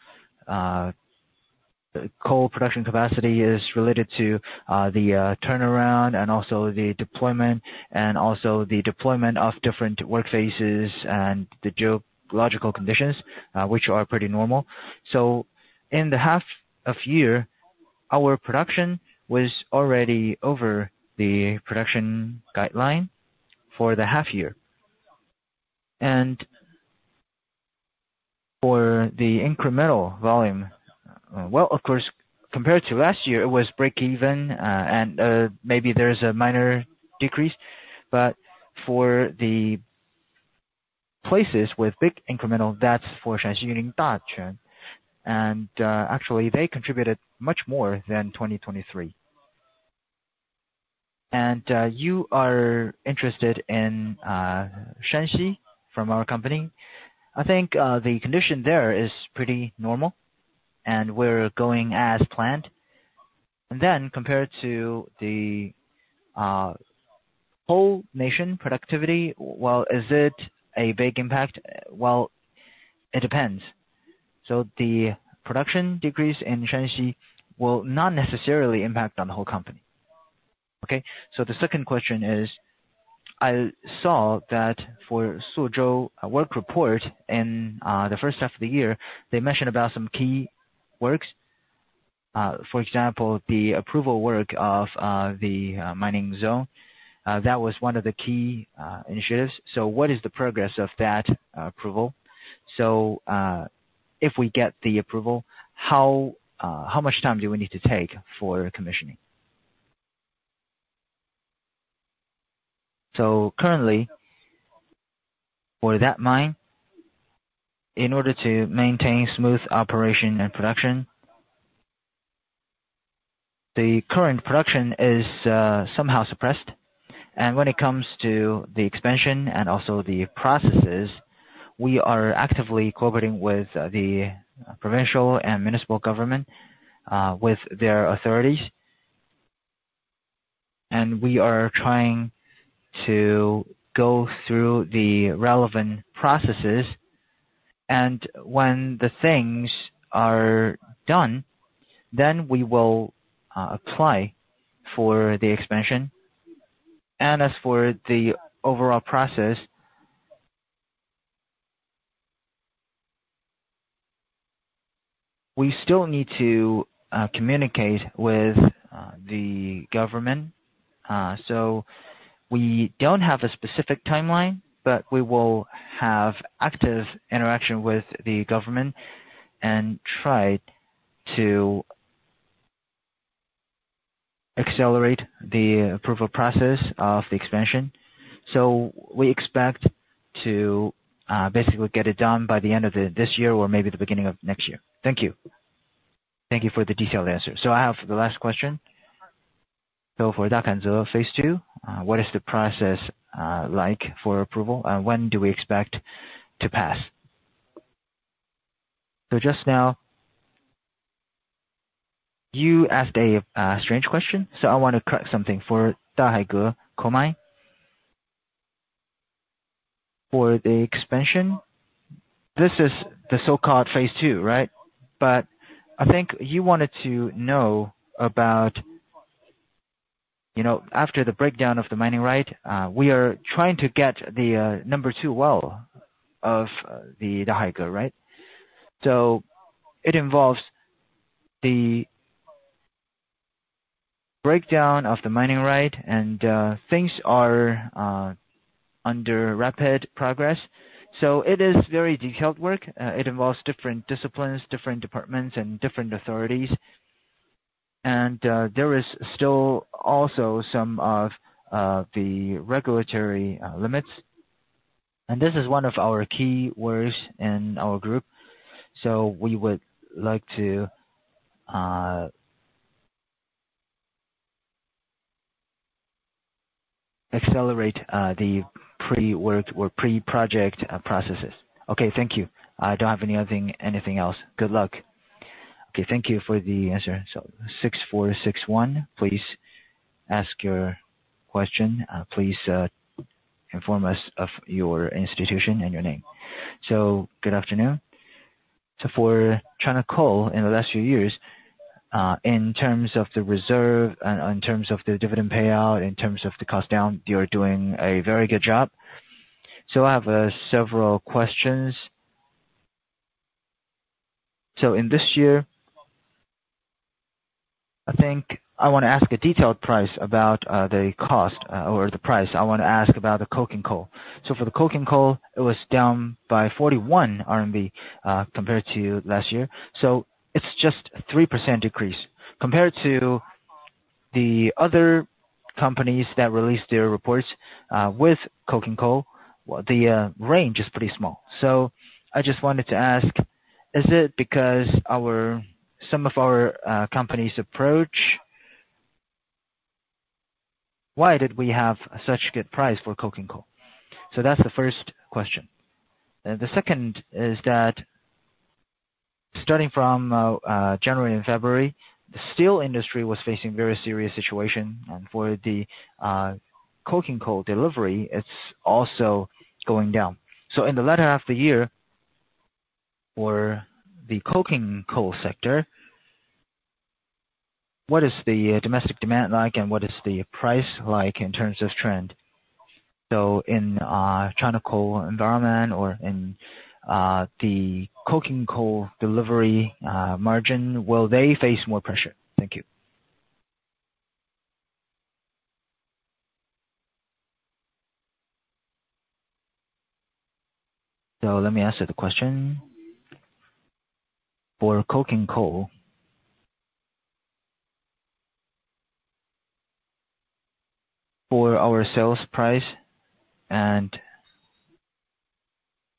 The coal production capacity is related to the turnaround and also the deployment of different work phases and the geological conditions, which are pretty normal. In the half of year, our production was already over the production guideline for the half year. For the incremental volume, well, of course, compared to last year, it was break even. Maybe there is a minor decrease, but for the places with big incremental, that's for Shaanxi Yulin Dahaize. Actually, they contributed much more than 2023. You are interested in Shanxi from our company. I think the condition there is pretty normal, and we're going as planned. Then compared to the whole nation productivity, well, is it a big impact? Well, it depends. So the production decrease in Shanxi will not necessarily impact on the whole company. Okay, so the second question is, I saw that for Shuozhou work report in the first half of the year, they mentioned about some key works. For example, the approval work of the mining zone. That was one of the key initiatives. So what is the progress of that approval? So, if we get the approval, how much time do we need to take for commissioning? So currently, for that mine, in order to maintain smooth operation and production, the current production is somehow suppressed. And when it comes to the expansion and also the processes, we are actively cooperating with the provincial and municipal government with their authorities. And we are trying to go through the relevant processes-... When the things are done, then we will apply for the expansion. As for the overall process, we still need to communicate with the government. We don't have a specific timeline, but we will have active interaction with the government and try to accelerate the approval process of the expansion. We expect to basically get it done by the end of this year or maybe the beginning of next year. Thank you. Thank you for the detailed answer. I have the last question. For phase two, what is the process like for approval? And when do we expect to pass? Just now, you asked a strange question, so I want to correct something. For the Dahaize Coal Mine, for the expansion, this is the so-called phase two, right? But I think you wanted to know about, you know, after the breakdown of the mining right, we are trying to get the number two well of the Dahai, right? So it involves the breakdown of the mining right, and things are under rapid progress. So it is very detailed work. It involves different disciplines, different departments, and different authorities. And there is still also some of the regulatory limits. And this is one of our key words in our group. So we would like to accelerate the pre-work or pre-project processes. Okay, thank you. I don't have anything else. Good luck. Okay, thank you for the answer. So 6461, please ask your question. Please inform us of your institution and your name. So good afternoon. For China Coal, in the last few years, in terms of the reserve and in terms of the dividend payout, in terms of the cost down, you're doing a very good job. I have several questions. In this year, I think I want to ask a detailed price about the cost or the price. I want to ask about the coking coal. For the coking coal, it was down by 41 RMB compared to last year. It's just 3% decrease. Compared to the other companies that released their reports with coking coal, well, the range is pretty small. I just wanted to ask, is it because our some of our company's approach? Why did we have such good price for coking coal? That's the first question. The second is that starting from January and February, the steel industry was facing very serious situation, and for the coking coal delivery, it's also going down. So in the latter half of the year, for the coking coal sector, what is the domestic demand like and what is the price like in terms of trend? So in China Coal environment or in the coking coal delivery margin, will they face more pressure? Thank you. So let me answer the question. For coking coal, for our sales price, and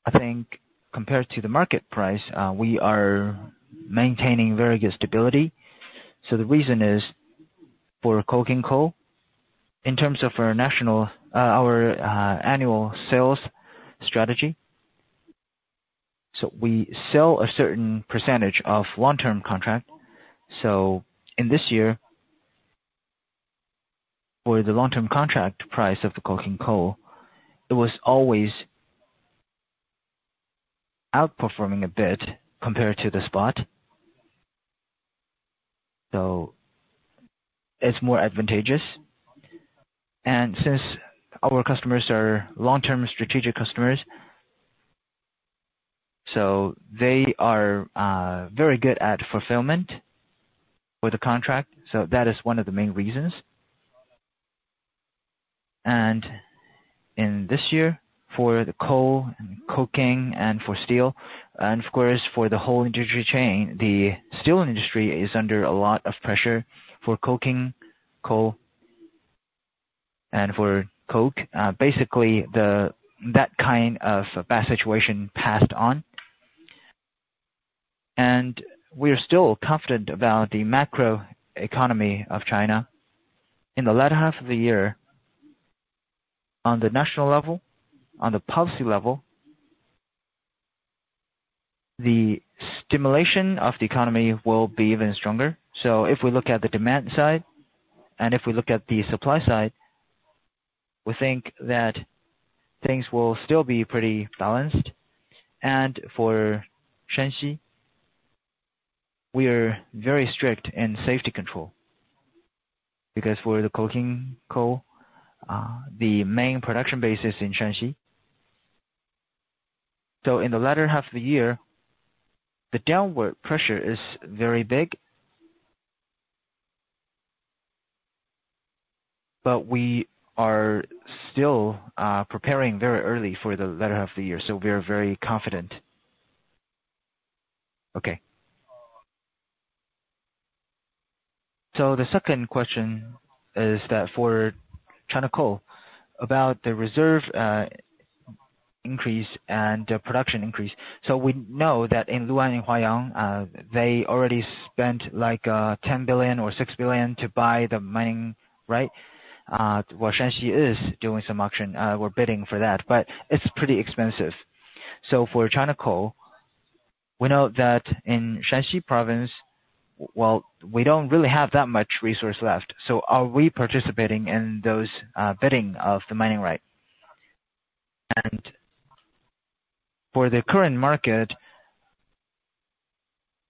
I think compared to the market price, we are maintaining very good stability. So the reason is, for coking coal, in terms of our national annual sales strategy, so we sell a certain percentage of long-term contract. In this year, for the long-term contract price of the coking coal, it was always outperforming a bit compared to the spot. It's more advantageous. Since our customers are long-term strategic customers, they are very good at fulfillment with the contract. That is one of the main reasons. In this year, for the coal, coking and for steel, and of course, for the whole industry chain, the steel industry is under a lot of pressure for coking coal and for coke. Basically, that kind of bad situation passed on. We are still confident about the macroeconomy of China. In the latter half of the year, on the national level, on the policy level, the stimulation of the economy will be even stronger. If we look at the demand side, and if we look at the supply side... We think that things will still be pretty balanced. And for Shanxi, we are very strict in safety control, because for the coking coal, the main production base is in Shaanxi. So in the latter half of the year, the downward pressure is very big. But we are still preparing very early for the latter half of the year, so we are very confident. Okay. So the second question is that for China Coal, about the reserve increase and production increase. So we know that in Lu'an and Huayang, they already spent like 10 billion or 6 billion to buy the mining, right? Well, Shanxi is doing some auction. We're bidding for that, but it's pretty expensive. So for China Coal, we know that in Shaanxi province, well, we don't really have that much resource left. Are we participating in those bidding of the mining right? And for the current market,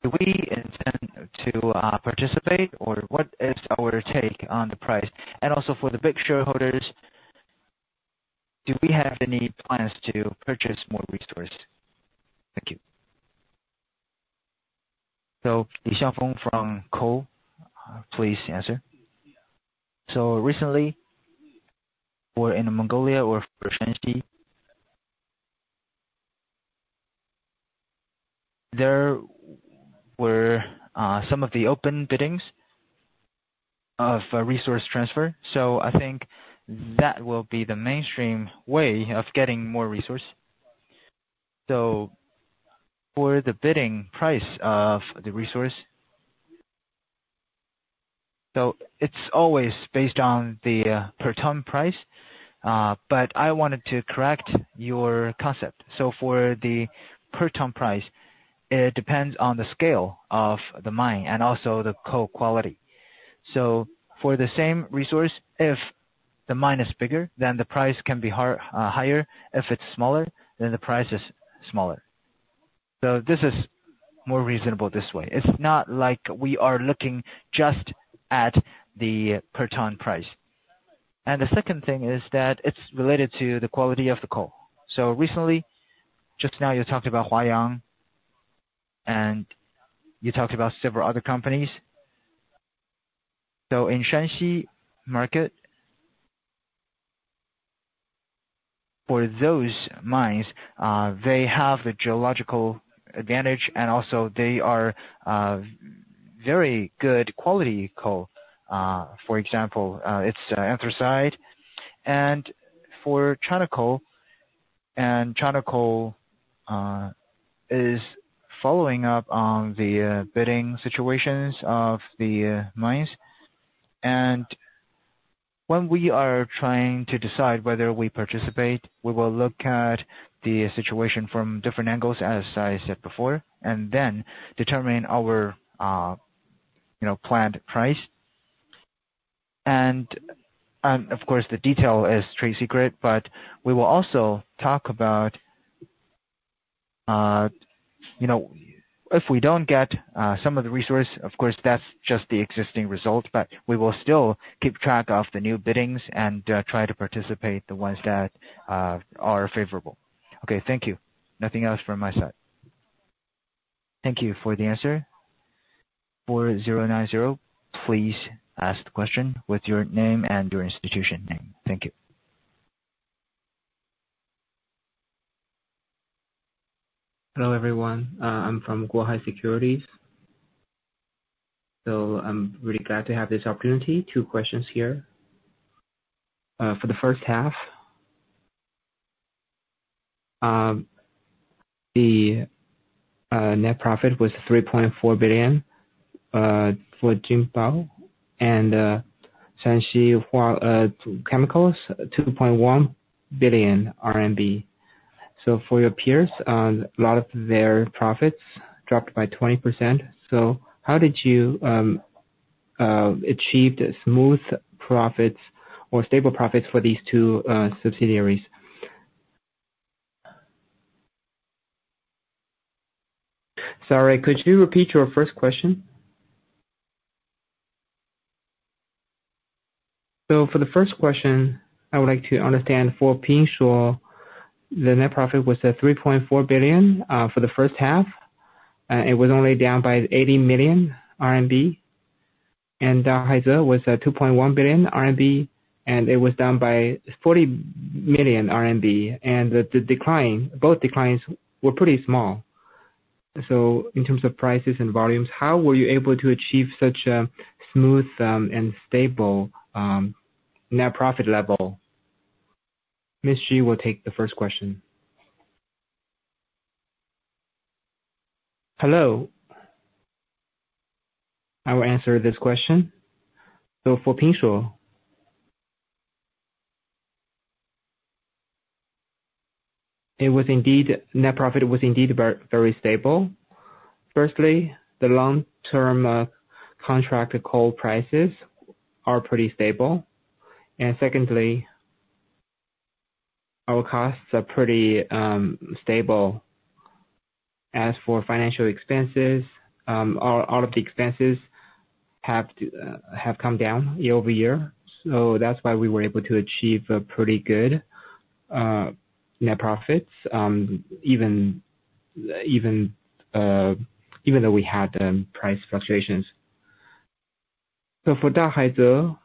do we intend to participate, or what is our take on the price? And also, for the big shareholders, do we have any plans to purchase more resource? Thank you. So Xiangfeng from Coal, please answer. So recently, we're in Mongolia or Shaanxi. There were some of the open biddings of a resource transfer, so I think that will be the mainstream way of getting more resource. So for the bidding price of the resource... So it's always based on the per ton price. But I wanted to correct your concept. So for the per ton price, it depends on the scale of the mine and also the coal quality. So for the same resource, if the mine is bigger, then the price can be higher. If it's smaller, then the price is smaller. So this is more reasonable this way. It's not like we are looking just at the per ton price. And the second thing is that it's related to the quality of the coal. Recently, just now, you talked about Huayang, and you talked about several other companies. In Shanxi market, for those mines, they have a geological advantage, and also they are very good quality coal. For example, it's anthracite. For China Coal, China Coal is following up on the bidding situations of the mines. When we are trying to decide whether we participate, we will look at the situation from different angles, as I said before, and then determine our, you know, planned price. Of course, the detail is trade secret, but we will also talk about, you know, if we don't get some of the resource, of course, that's just the existing results, but we will still keep track of the new biddings and try to participate the ones that are favorable. Okay. Thank you. Nothing else from my side. Thank you for the answer. 4090, please ask the question with your name and your institution name. Thank you. Hello, everyone. I'm from Guohai Securities. I'm really glad to have this opportunity. Two questions here. For the first half, the net profit was 3.4 billion for Pingshuo and Shaanxi Yulin Coal Chemicals, 2.1 billion RMB. For your peers, a lot of their profits dropped by 20%. How did you achieve the smooth profits or stable profits for these two subsidiaries? Sorry, could you repeat your first question? For the first question, I would like to understand for Pingshuo, the net profit was at 3.4 billion for the first half. It was only down by 80 million RMB, and Dahaize was at 2.1 billion RMB, and it was down by 40 million RMB. And the decline, both declines were pretty small. In terms of prices and volumes, how were you able to achieve such a smooth and stable net profit level? Ms. Xu will take the first question. Hello. I will answer this question. So for Pingshuo... It was indeed, net profit was indeed very, very stable. Firstly, the long-term contracted coal prices are pretty stable. And secondly, our costs are pretty stable. As for financial expenses, all of the expenses have come down year-over-year, so that's why we were able to achieve a pretty good net profits even though we had price fluctuations. So for Dahaize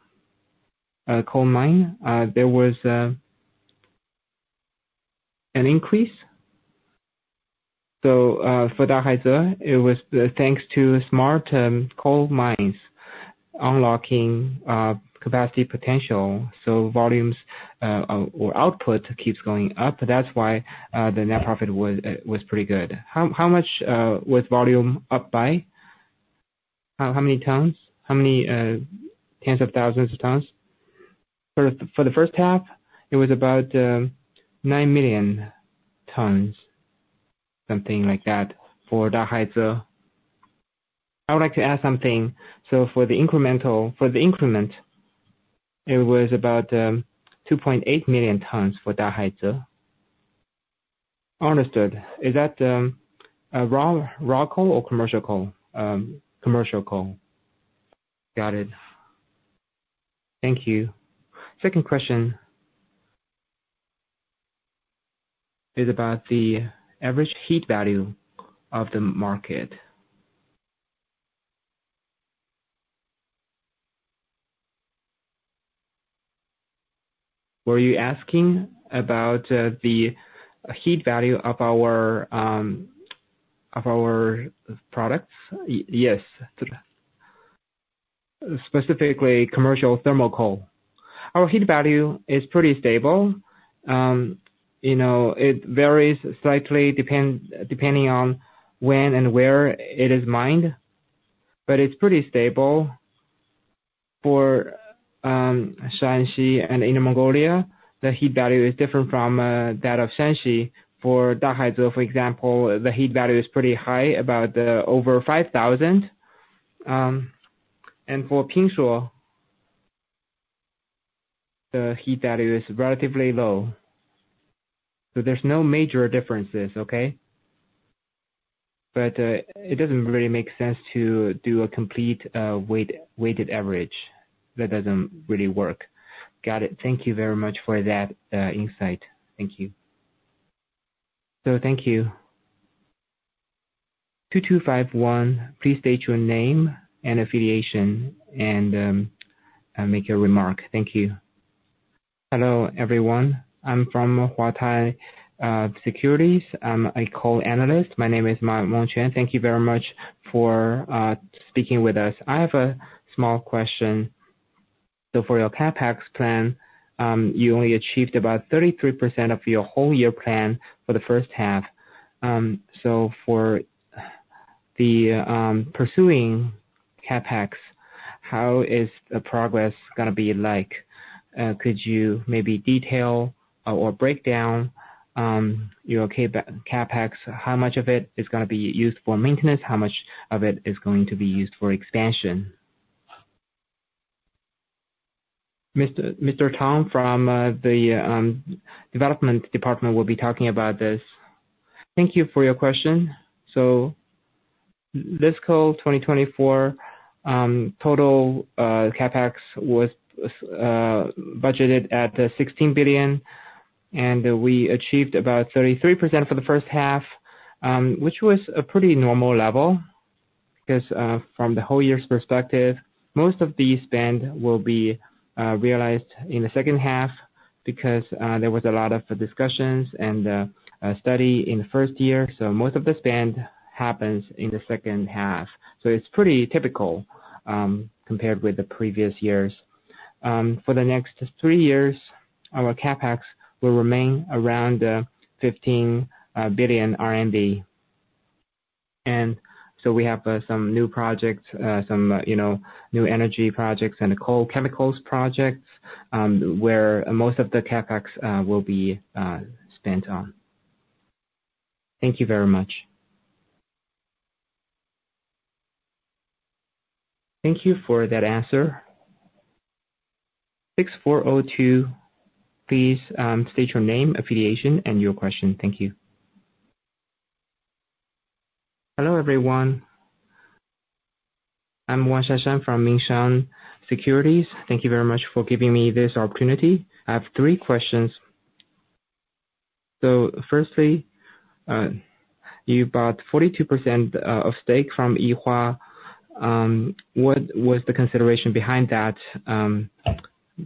Coal Mine, there was an increase. So, for Dahaize, it was thanks to smart coal mines unlocking capacity potential, so volumes or output keeps going up. That's why the net profit was pretty good. How much was volume up by? How many tons? How many tens of thousands of tons? For the first half, it was about 9 million tons, something like that for Dahaize. I would like to add something. So for the incremental, for the increment, it was about 2.8 million tons for Dahaize. Understood. Is that raw coal or commercial coal? Commercial coal. Got it. Thank you. Second question is about the average heat value of the market. Were you asking about the heat value of our products? Yes. Specifically, commercial thermal coal. Our heat value is pretty stable. You know, it varies slightly depending on when and where it is mined, but it's pretty stable. For Shaanxi and Inner Mongolia, the heat value is different from that of Shanxi. For Dahaize, for example, the heat value is pretty high, about, over 5,000. And for Pingshuo, the heat value is relatively low. So there's no major differences, okay? But, it doesn't really make sense to do a complete, weight, weighted average. That doesn't really work. Got it. Thank you very much for that, insight. Thank you. So thank you. Two two five one, please state your name and affiliation, and, make your remark. Thank you. Hello, everyone. I'm from Huatai Securities. I'm a coal analyst. My name is Wang Mengzhen. Thank you very much for speaking with us. I have a small question. So for your CapEx plan, you only achieved about 33% of your whole year plan for the first half. So for the, pursuing CapEx, how is the progress gonna be like? Could you maybe detail or breakdown your CapEx? How much of it is gonna be used for maintenance? How much of it is going to be used for expansion? Mr. Tang from the development department will be talking about this. Thank you for your question. China Coal 2024 total CapEx was budgeted at 16 billion, and we achieved about 33% for the first half, which was a pretty normal level, because from the whole year's perspective, most of the spend will be realized in the second half, because there was a lot of discussions and study in the first year. Most of the spend happens in the second half. It's pretty typical compared with the previous years. For the next three years, our CapEx will remain around 15 billion RMB. And so we have some new projects, some, you know, new energy projects and coal chemicals projects, where most of the CapEx will be spent on. Thank you very much. Thank you for that answer. 6402, please, state your name, affiliation, and your question. Thank you. Hello, everyone. I'm Wang Shanshan from Minsheng Securities. Thank you very much for giving me this opportunity. I have three questions. So firstly, you bought 42% of stake from Yihua. What was the consideration behind that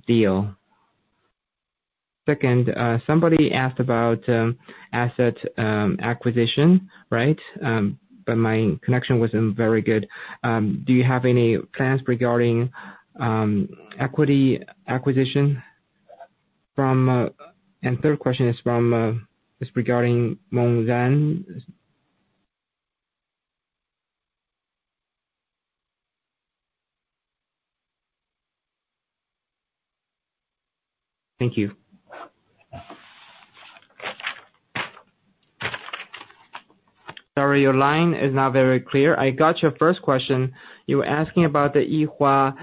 deal? Second, somebody asked about asset acquisition, right? But my connection wasn't very good. Do you have any plans regarding equity acquisition from... And third question is from is regarding Inner Mongolia. Thank you. Sorry, your line is not very clear. I got your first question. You were asking about the Yihua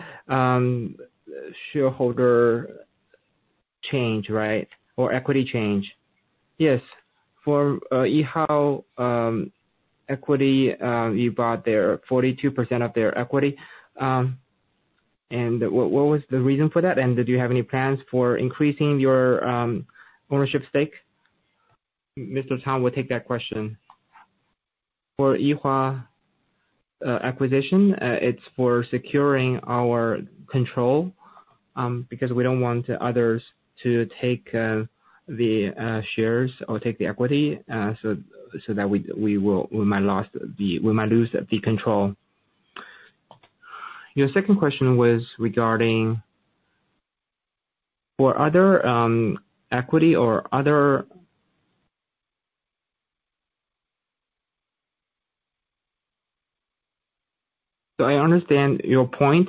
shareholder change, right? Or equity change. Yes. For Yihua equity, you bought their 42% of their equity. And what was the reason for that? And did you have any plans for increasing your ownership stake? Mr. Tang will take that question. For Yihua acquisition, it's for securing our control, because we don't want others to take the shares or take the equity, so that we might lose the control. Your second question was regarding for other equity or other. So I understand your point.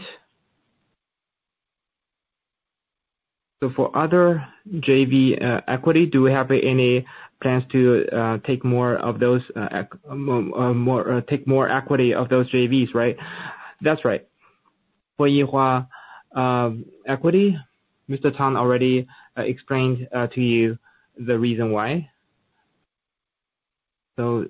So for other JV equity, do we have any plans to take more equity of those JVs, right? That's right. For Yihua equity, Mr. Tang already explained to you the reason why. So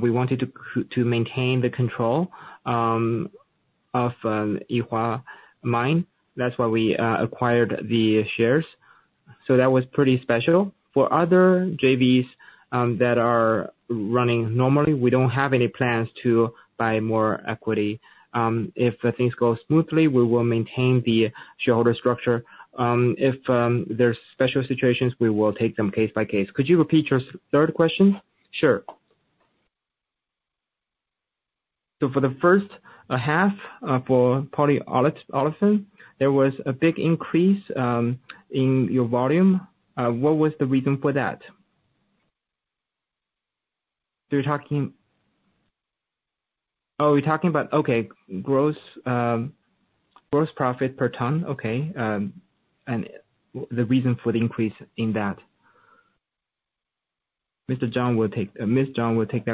we wanted to maintain the control of Yihua Mine. That's why we acquired the shares. So that was pretty special. For other JVs that are running normally, we don't have any plans to buy more equity. If things go smoothly, we will maintain the shareholder structure. If there's special situations, we will take them case by case. Could you repeat your third question? Sure. So for the first half, for polyolefin, there was a big increase in your volume. What was the reason for that? You're talking... Oh, we're talking about, okay, gross, gross profit per ton. Okay. And the reason for the increase in that. Mr. Zhang will take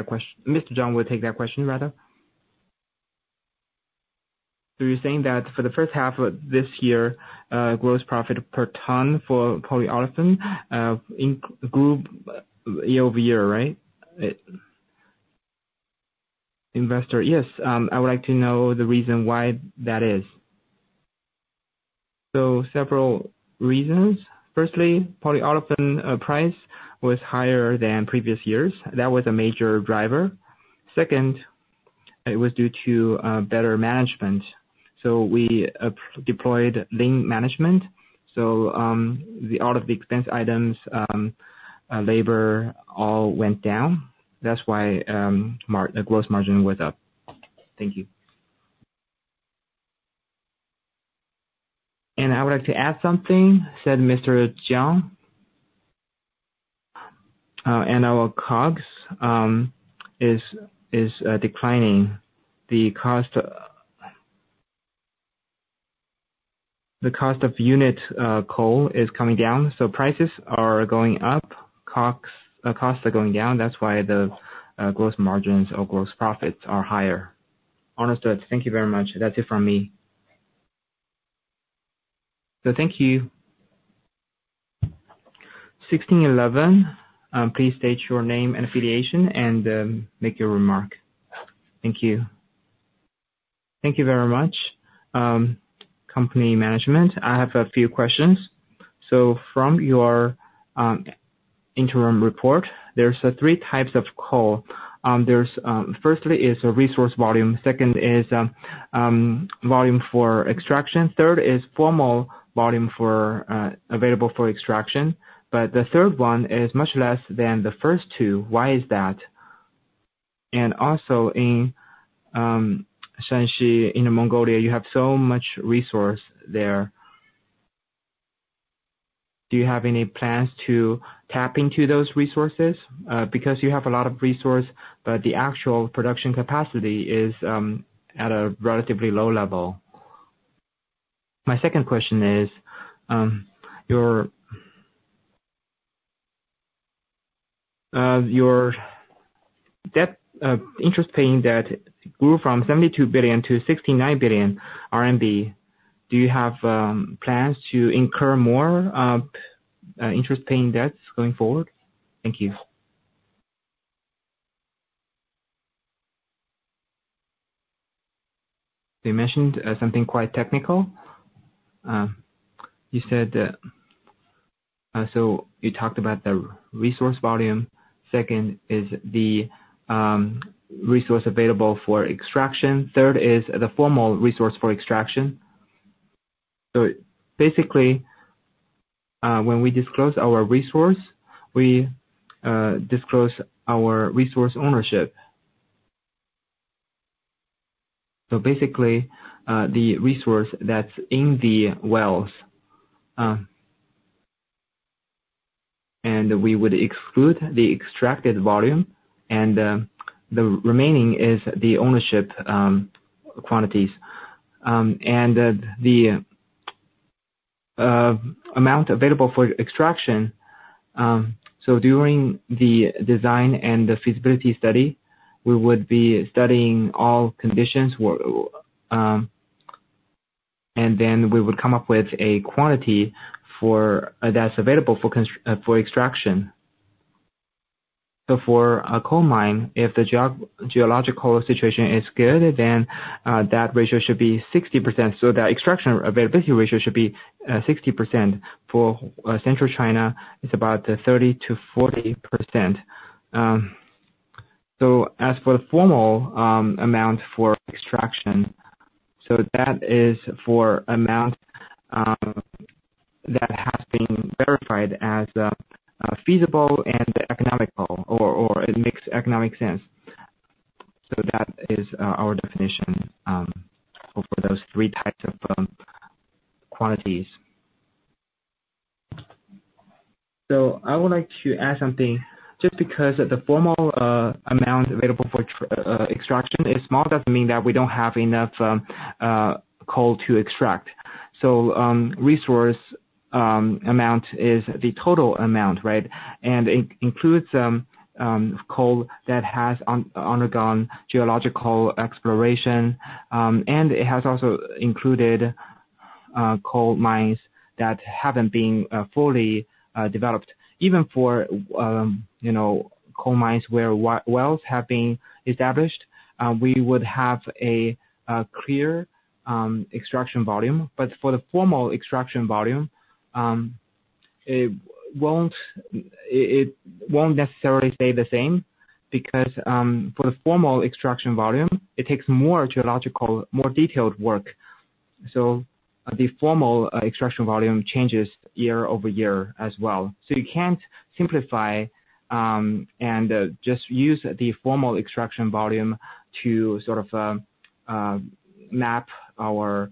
that question, rather. So you're saying that for the first half of this year, gross profit per ton for polyolefin, grew year-over-year, right? Investor. Yes I would like to know the reason why that is. So several reasons. Firstly, polyolefin price was higher than previous years. That was a major driver. Second, it was due to better management. So we deployed lean management. So, the all of the expense items, labor, all went down. That's why, the gross margin was up. Thank you. "And I would like to add something," said Mr. Zhang. And our COGS is declining. The cost of unit coal is coming down, so prices are going up. COGS costs are going down. That's why the gross margins or gross profits are higher. Understood. Thank you very much. That's it from me. So thank you. Sixteen eleven, please state your name and affiliation and make your remark. Thank you. Thank you very much, company management. I have a few questions. So from your interim report, there's three types of coal. There's firstly, is a resource volume. Second is volume for extraction. Third is formal volume for available for extraction. But the third one is much less than the first two. Why is that? And also, in Shaanxi, in Mongolia, you have so much resource there. Do you have any plans to tap into those resources? Because you have a lot of resource, but the actual production capacity is at a relatively low level. My second question is your interest-bearing debt that grew from 72 billion to 69 billion RMB. Do you have plans to incur more interest-bearing debts going forward? Thank you. You mentioned something quite technical. You said. So you talked about the resource volume. Second is the resource available for extraction. Third is the formal resource for extraction. So basically, when we disclose our resource, we disclose our resource ownership. So basically, the resource that's in the wells.... And we would exclude the extracted volume, and the remaining is the ownership quantities. And the amount available for extraction, so during the design and the feasibility study, we would be studying all conditions, and then we would come up with a quantity for-- that's available for extraction. So for a coal mine, if the geological situation is good, then that ratio should be 60%. So the extraction availability ratio should be 60%. For Central China, it's about 30% to 40%. So as for the formal amount for extraction, so that is for amount that has been verified as feasible and economical or it makes economic sense. So that is our definition for those three types of quantities. So I would like to add something. Just because the formal amount available for extraction is small, doesn't mean that we don't have enough coal to extract. Resource amount is the total amount, right? And it includes coal that has undergone geological exploration, and it has also included coal mines that haven't been fully developed. Even for you know, coal mines where wells have been established, we would have a clear extraction volume. But for the formal extraction volume, it won't necessarily stay the same, because for the formal extraction volume, it takes more geological, more detailed work. So the formal extraction volume changes year-over-year as well. So you can't simplify and just use the formal extraction volume to sort of map our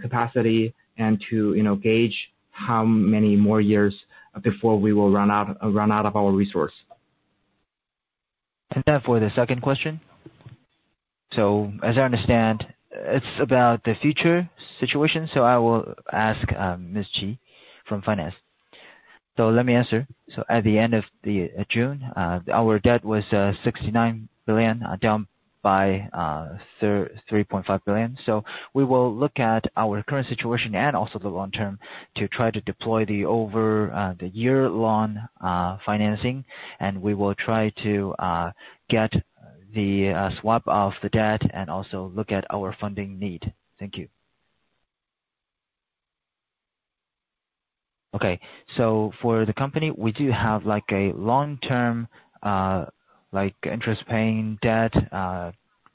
capacity and to you know gauge how many more years before we will run out run out of our resource. Time for the second question. As I understand it's about the future situation so I will ask Ms. Chai from Finance. So let me answer. At the end of June our debt was 69 billion down by 3.5 billion. We will look at our current situation and also the long term to try to deploy the overall year-long financing and we will try to get the swap of the debt and also look at our funding need. Thank you. Okay, so for the company, we do have, like, a long-term, like, interest-paying debt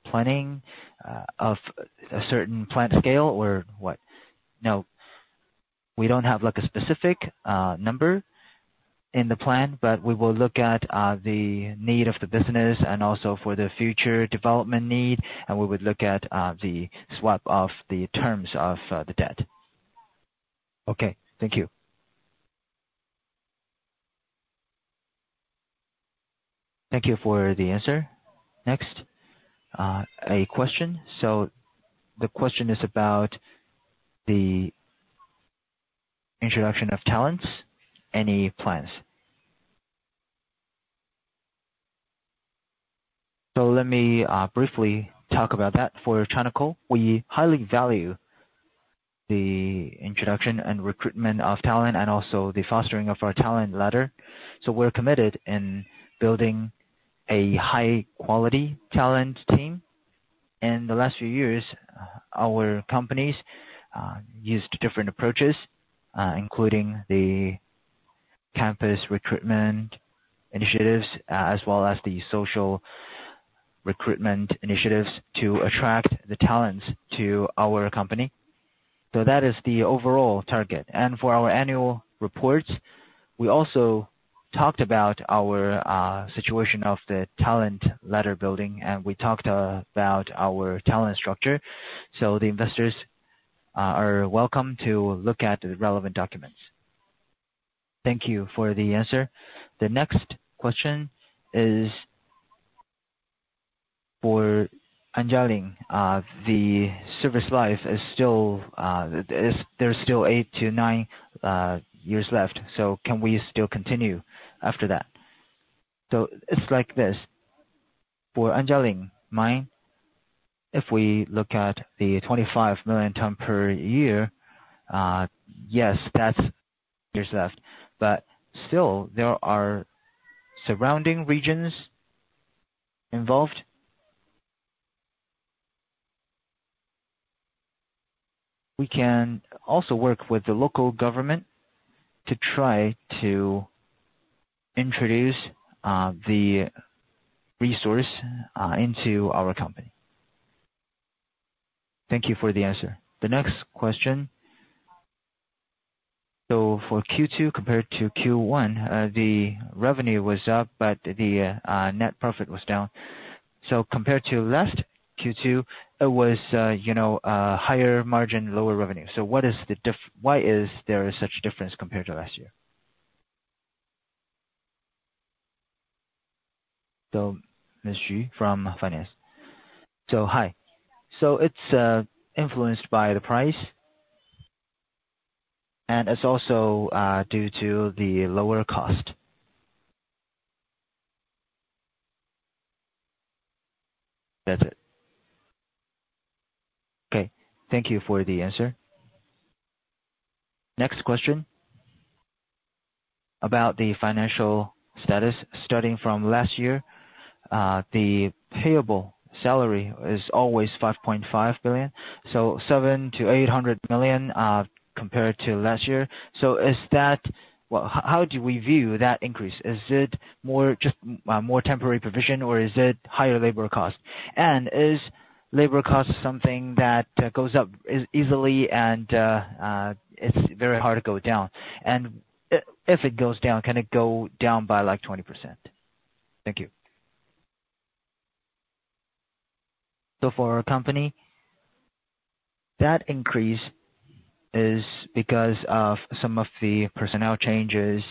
planning of a certain plant scale, or what? No. We don't have, like, a specific number in the plan, but we will look at the need of the business and also for the future development need, and we would look at the swap of the terms of the debt. Okay. Thank you. Thank you for the answer. Next, a question. So the question is about the introduction of talents. Any plans? So let me briefly talk about that. For China Coal, we highly value the introduction and recruitment of talent and also the fostering of our talent ladder. So we're committed in building a high-quality talent team. In the last few years, our companies used different approaches, including the campus recruitment initiatives, as well as the social recruitment initiatives, to attract the talents to our company. So that is the overall target. And for our annual reports, we also talked about our situation of the talent ladder building, and we talked about our talent structure. So the investors are welcome to look at the relevant documents. Thank you for the answer. The next question is for Anjialing. The service life is still. There's still eight to nine years left. So can we still continue after that? So it's like this, for Anjialing Mine, if we look at the 25 million ton per year, yes, that's years left, but still there are surrounding regions involved. We can also work with the local government to try to introduce the resource into our company. Thank you for the answer. The next question: So for Q2 compared to Q1, the revenue was up, but the net profit was down. So compared to last Q2, it was, you know, a higher margin, lower revenue. So what is the why is there such difference compared to last year? So Ms. Xu, from finance. So hi. So it's influenced by the price, and it's also due to the lower cost. That's it. Okay, thank you for the answer. Next question: about the financial status starting from last year, the accounts payable is always 5.5 billion, so 700-800 million compared to last year. So is that? Well, how do we view that increase? Is it more, just, more temporary provision, or is it higher labor cost? And is labor cost something that goes up easily and it's very hard to go down? And if it goes down, can it go down by, like, 20%? Thank you. So for our company, that increase is because of some of the personnel changes,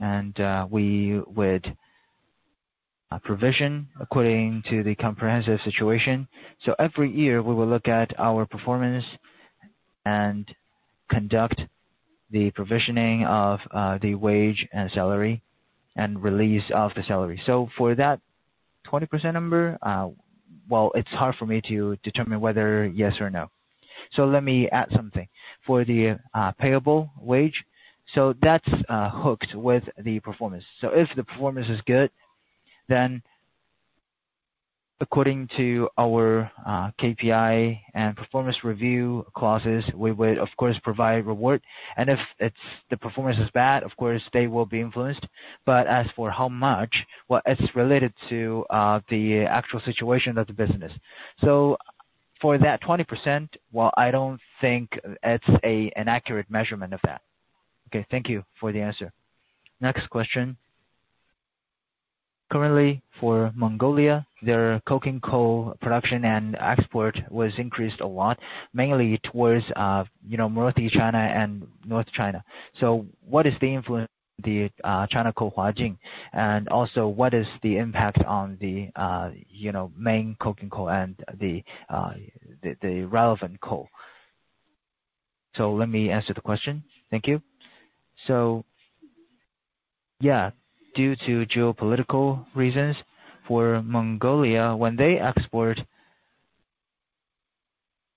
and we would provision according to the comprehensive situation. So every year, we will look at our performance and conduct the provisioning of the wage and salary and release of the salary. So for that 20% number, well, it's hard for me to determine whether yes or no. So let me add something. For the payable wage, so that's hooked with the performance. So if the performance is good, then according to our KPI and performance review clauses, we will, of course, provide reward. And if it's the performance is bad, of course, they will be influenced. But as for how much, well, it's related to the actual situation of the business. So for that 20%, well, I don't think it's an accurate measurement of that. Okay, thank you for the answer. Next question: currently, for Mongolia, their coking coal production and export was increased a lot, mainly towards, you know, Northeast China and North China. So what is the influence on China Coal Huajin? And also, what is the impact on the main coking coal and the relevant coal? So let me answer the question. Thank you. So, yeah, due to geopolitical reasons, for Mongolia, when they export...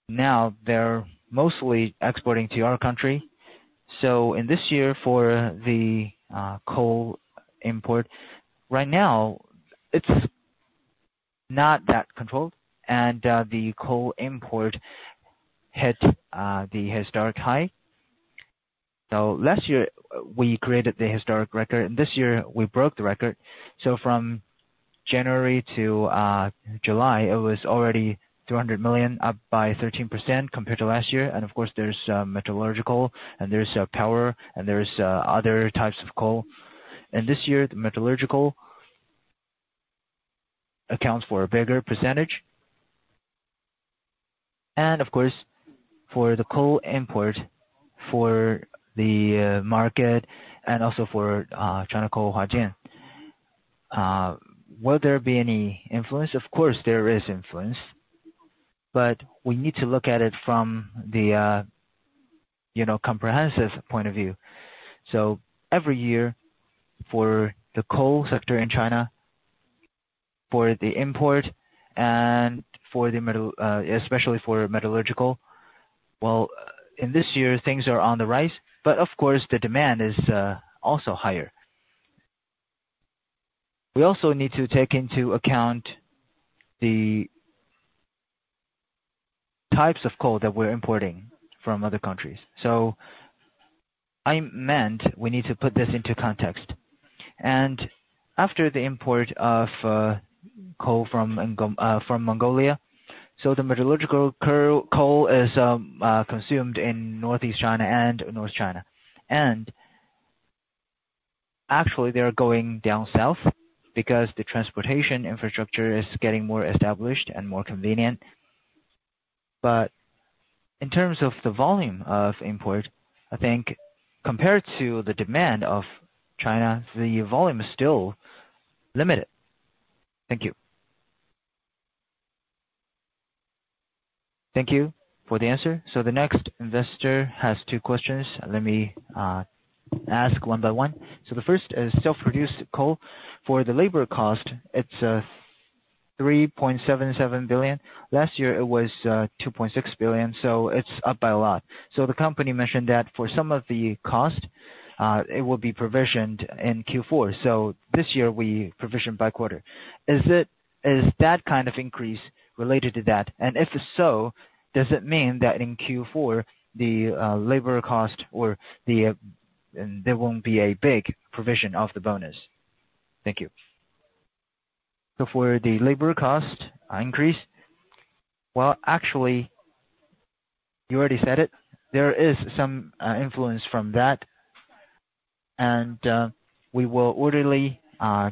Now, they're mostly exporting to our country. So in this year, for the coal import, right now, it's not that controlled, and the coal import hit the historic high. So last year, we created the historic record, and this year, we broke the record. So from January to July, it was already two hundred million, up by 13% compared to last year. And of course, there's metallurgical and there's power, and there's other types of coal. And this year, the metallurgical accounts for a bigger percentage. And of course, for the coal import, for the market and also for China Coal Huajin, will there be any influence? Of course, there is influence, but we need to look at it from the, you know, comprehensive point of view. Every year, for the coal sector in China, for the import and for the metallurgical, well, in this year, things are on the rise, but of course, the demand is also higher. We also need to take into account the types of coal that we're importing from other countries. So I mean we need to put this into context. And after the import of coal from Mongolia, so the metallurgical coal is consumed in Northeast China and North China. And actually, they're going down south because the transportation infrastructure is getting more established and more convenient. But in terms of the volume of import, I think compared to the demand of China, the volume is still limited. Thank you. Thank you for the answer. So the next investor has two questions. Let me ask one by one. So the first is self-produced coal. For the labor cost, it's 3.77 billion. Last year, it was 2.6 billion, so it's up by a lot. So the company mentioned that for some of the cost, it will be provisioned in Q4. So this year, we provisioned by quarter. Is that kind of increase related to that? And if so, does it mean that in Q4, the labor cost or the... There won't be a big provision of the bonus? Thank you. So for the labor cost increase, well, actually... You already said it. There is some influence from that, and we will orderly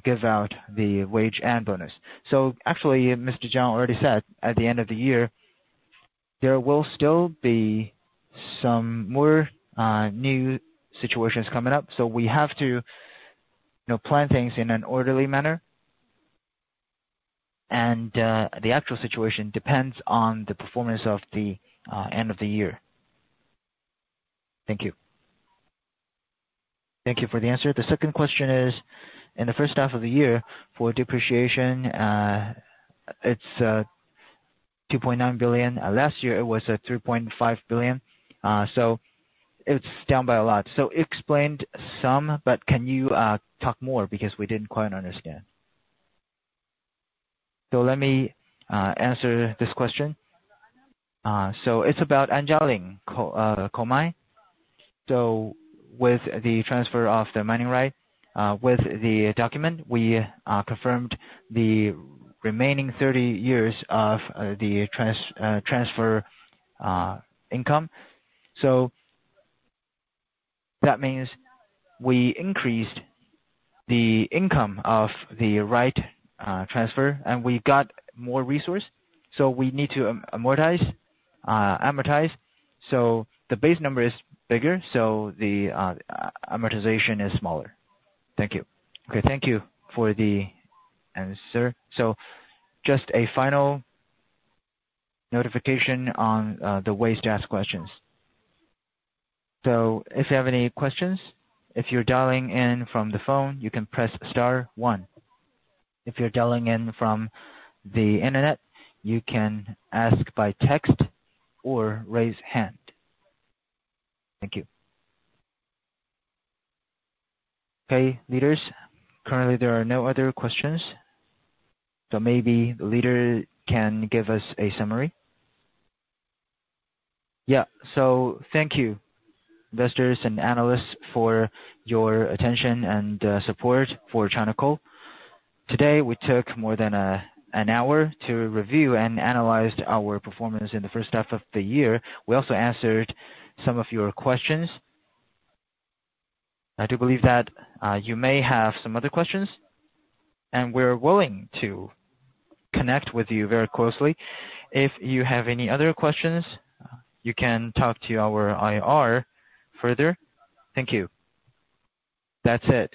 give out the wage and bonus. So actually, Mr. Zhang already said, at the end of the year, there will still be some more new situations coming up, so we have to, you know, plan things in an orderly manner. And the actual situation depends on the performance of the end of the year. Thank you. Thank you for the answer. The second question is, in the first half of the year, for depreciation, it's 2.9 billion. Last year, it was 3.5 billion. So it's down by a lot. So explained some, but can you talk more? Because we didn't quite understand. So let me answer this question. So it's about Anjialing Coal Mine. So with the transfer of the mining right, with the document, we confirmed the remaining thirty years of the transfer income. So that means we increased the income of the right transfer, and we got more resource, so we need to amortize, so the base number is bigger, so the amortization is smaller. Thank you. Okay, thank you for the answer. So just a final notification on the ways to ask questions. So if you have any questions, if you're dialing in from the phone, you can press star one. If you're dialing in from the internet, you can ask by text or raise hand. Thank you. Okay, leaders, currently, there are no other questions, so maybe the leader can give us a summary. Yeah. So thank you, investors and analysts, for your attention and support for China Coal. Today, we took more than an hour to review and analyzed our performance in the first half of the year. We also answered some of your questions. I do believe that you may have some other questions, and we're willing to connect with you very closely. If you have any other questions, you can talk to our IR further. Thank you. That's it.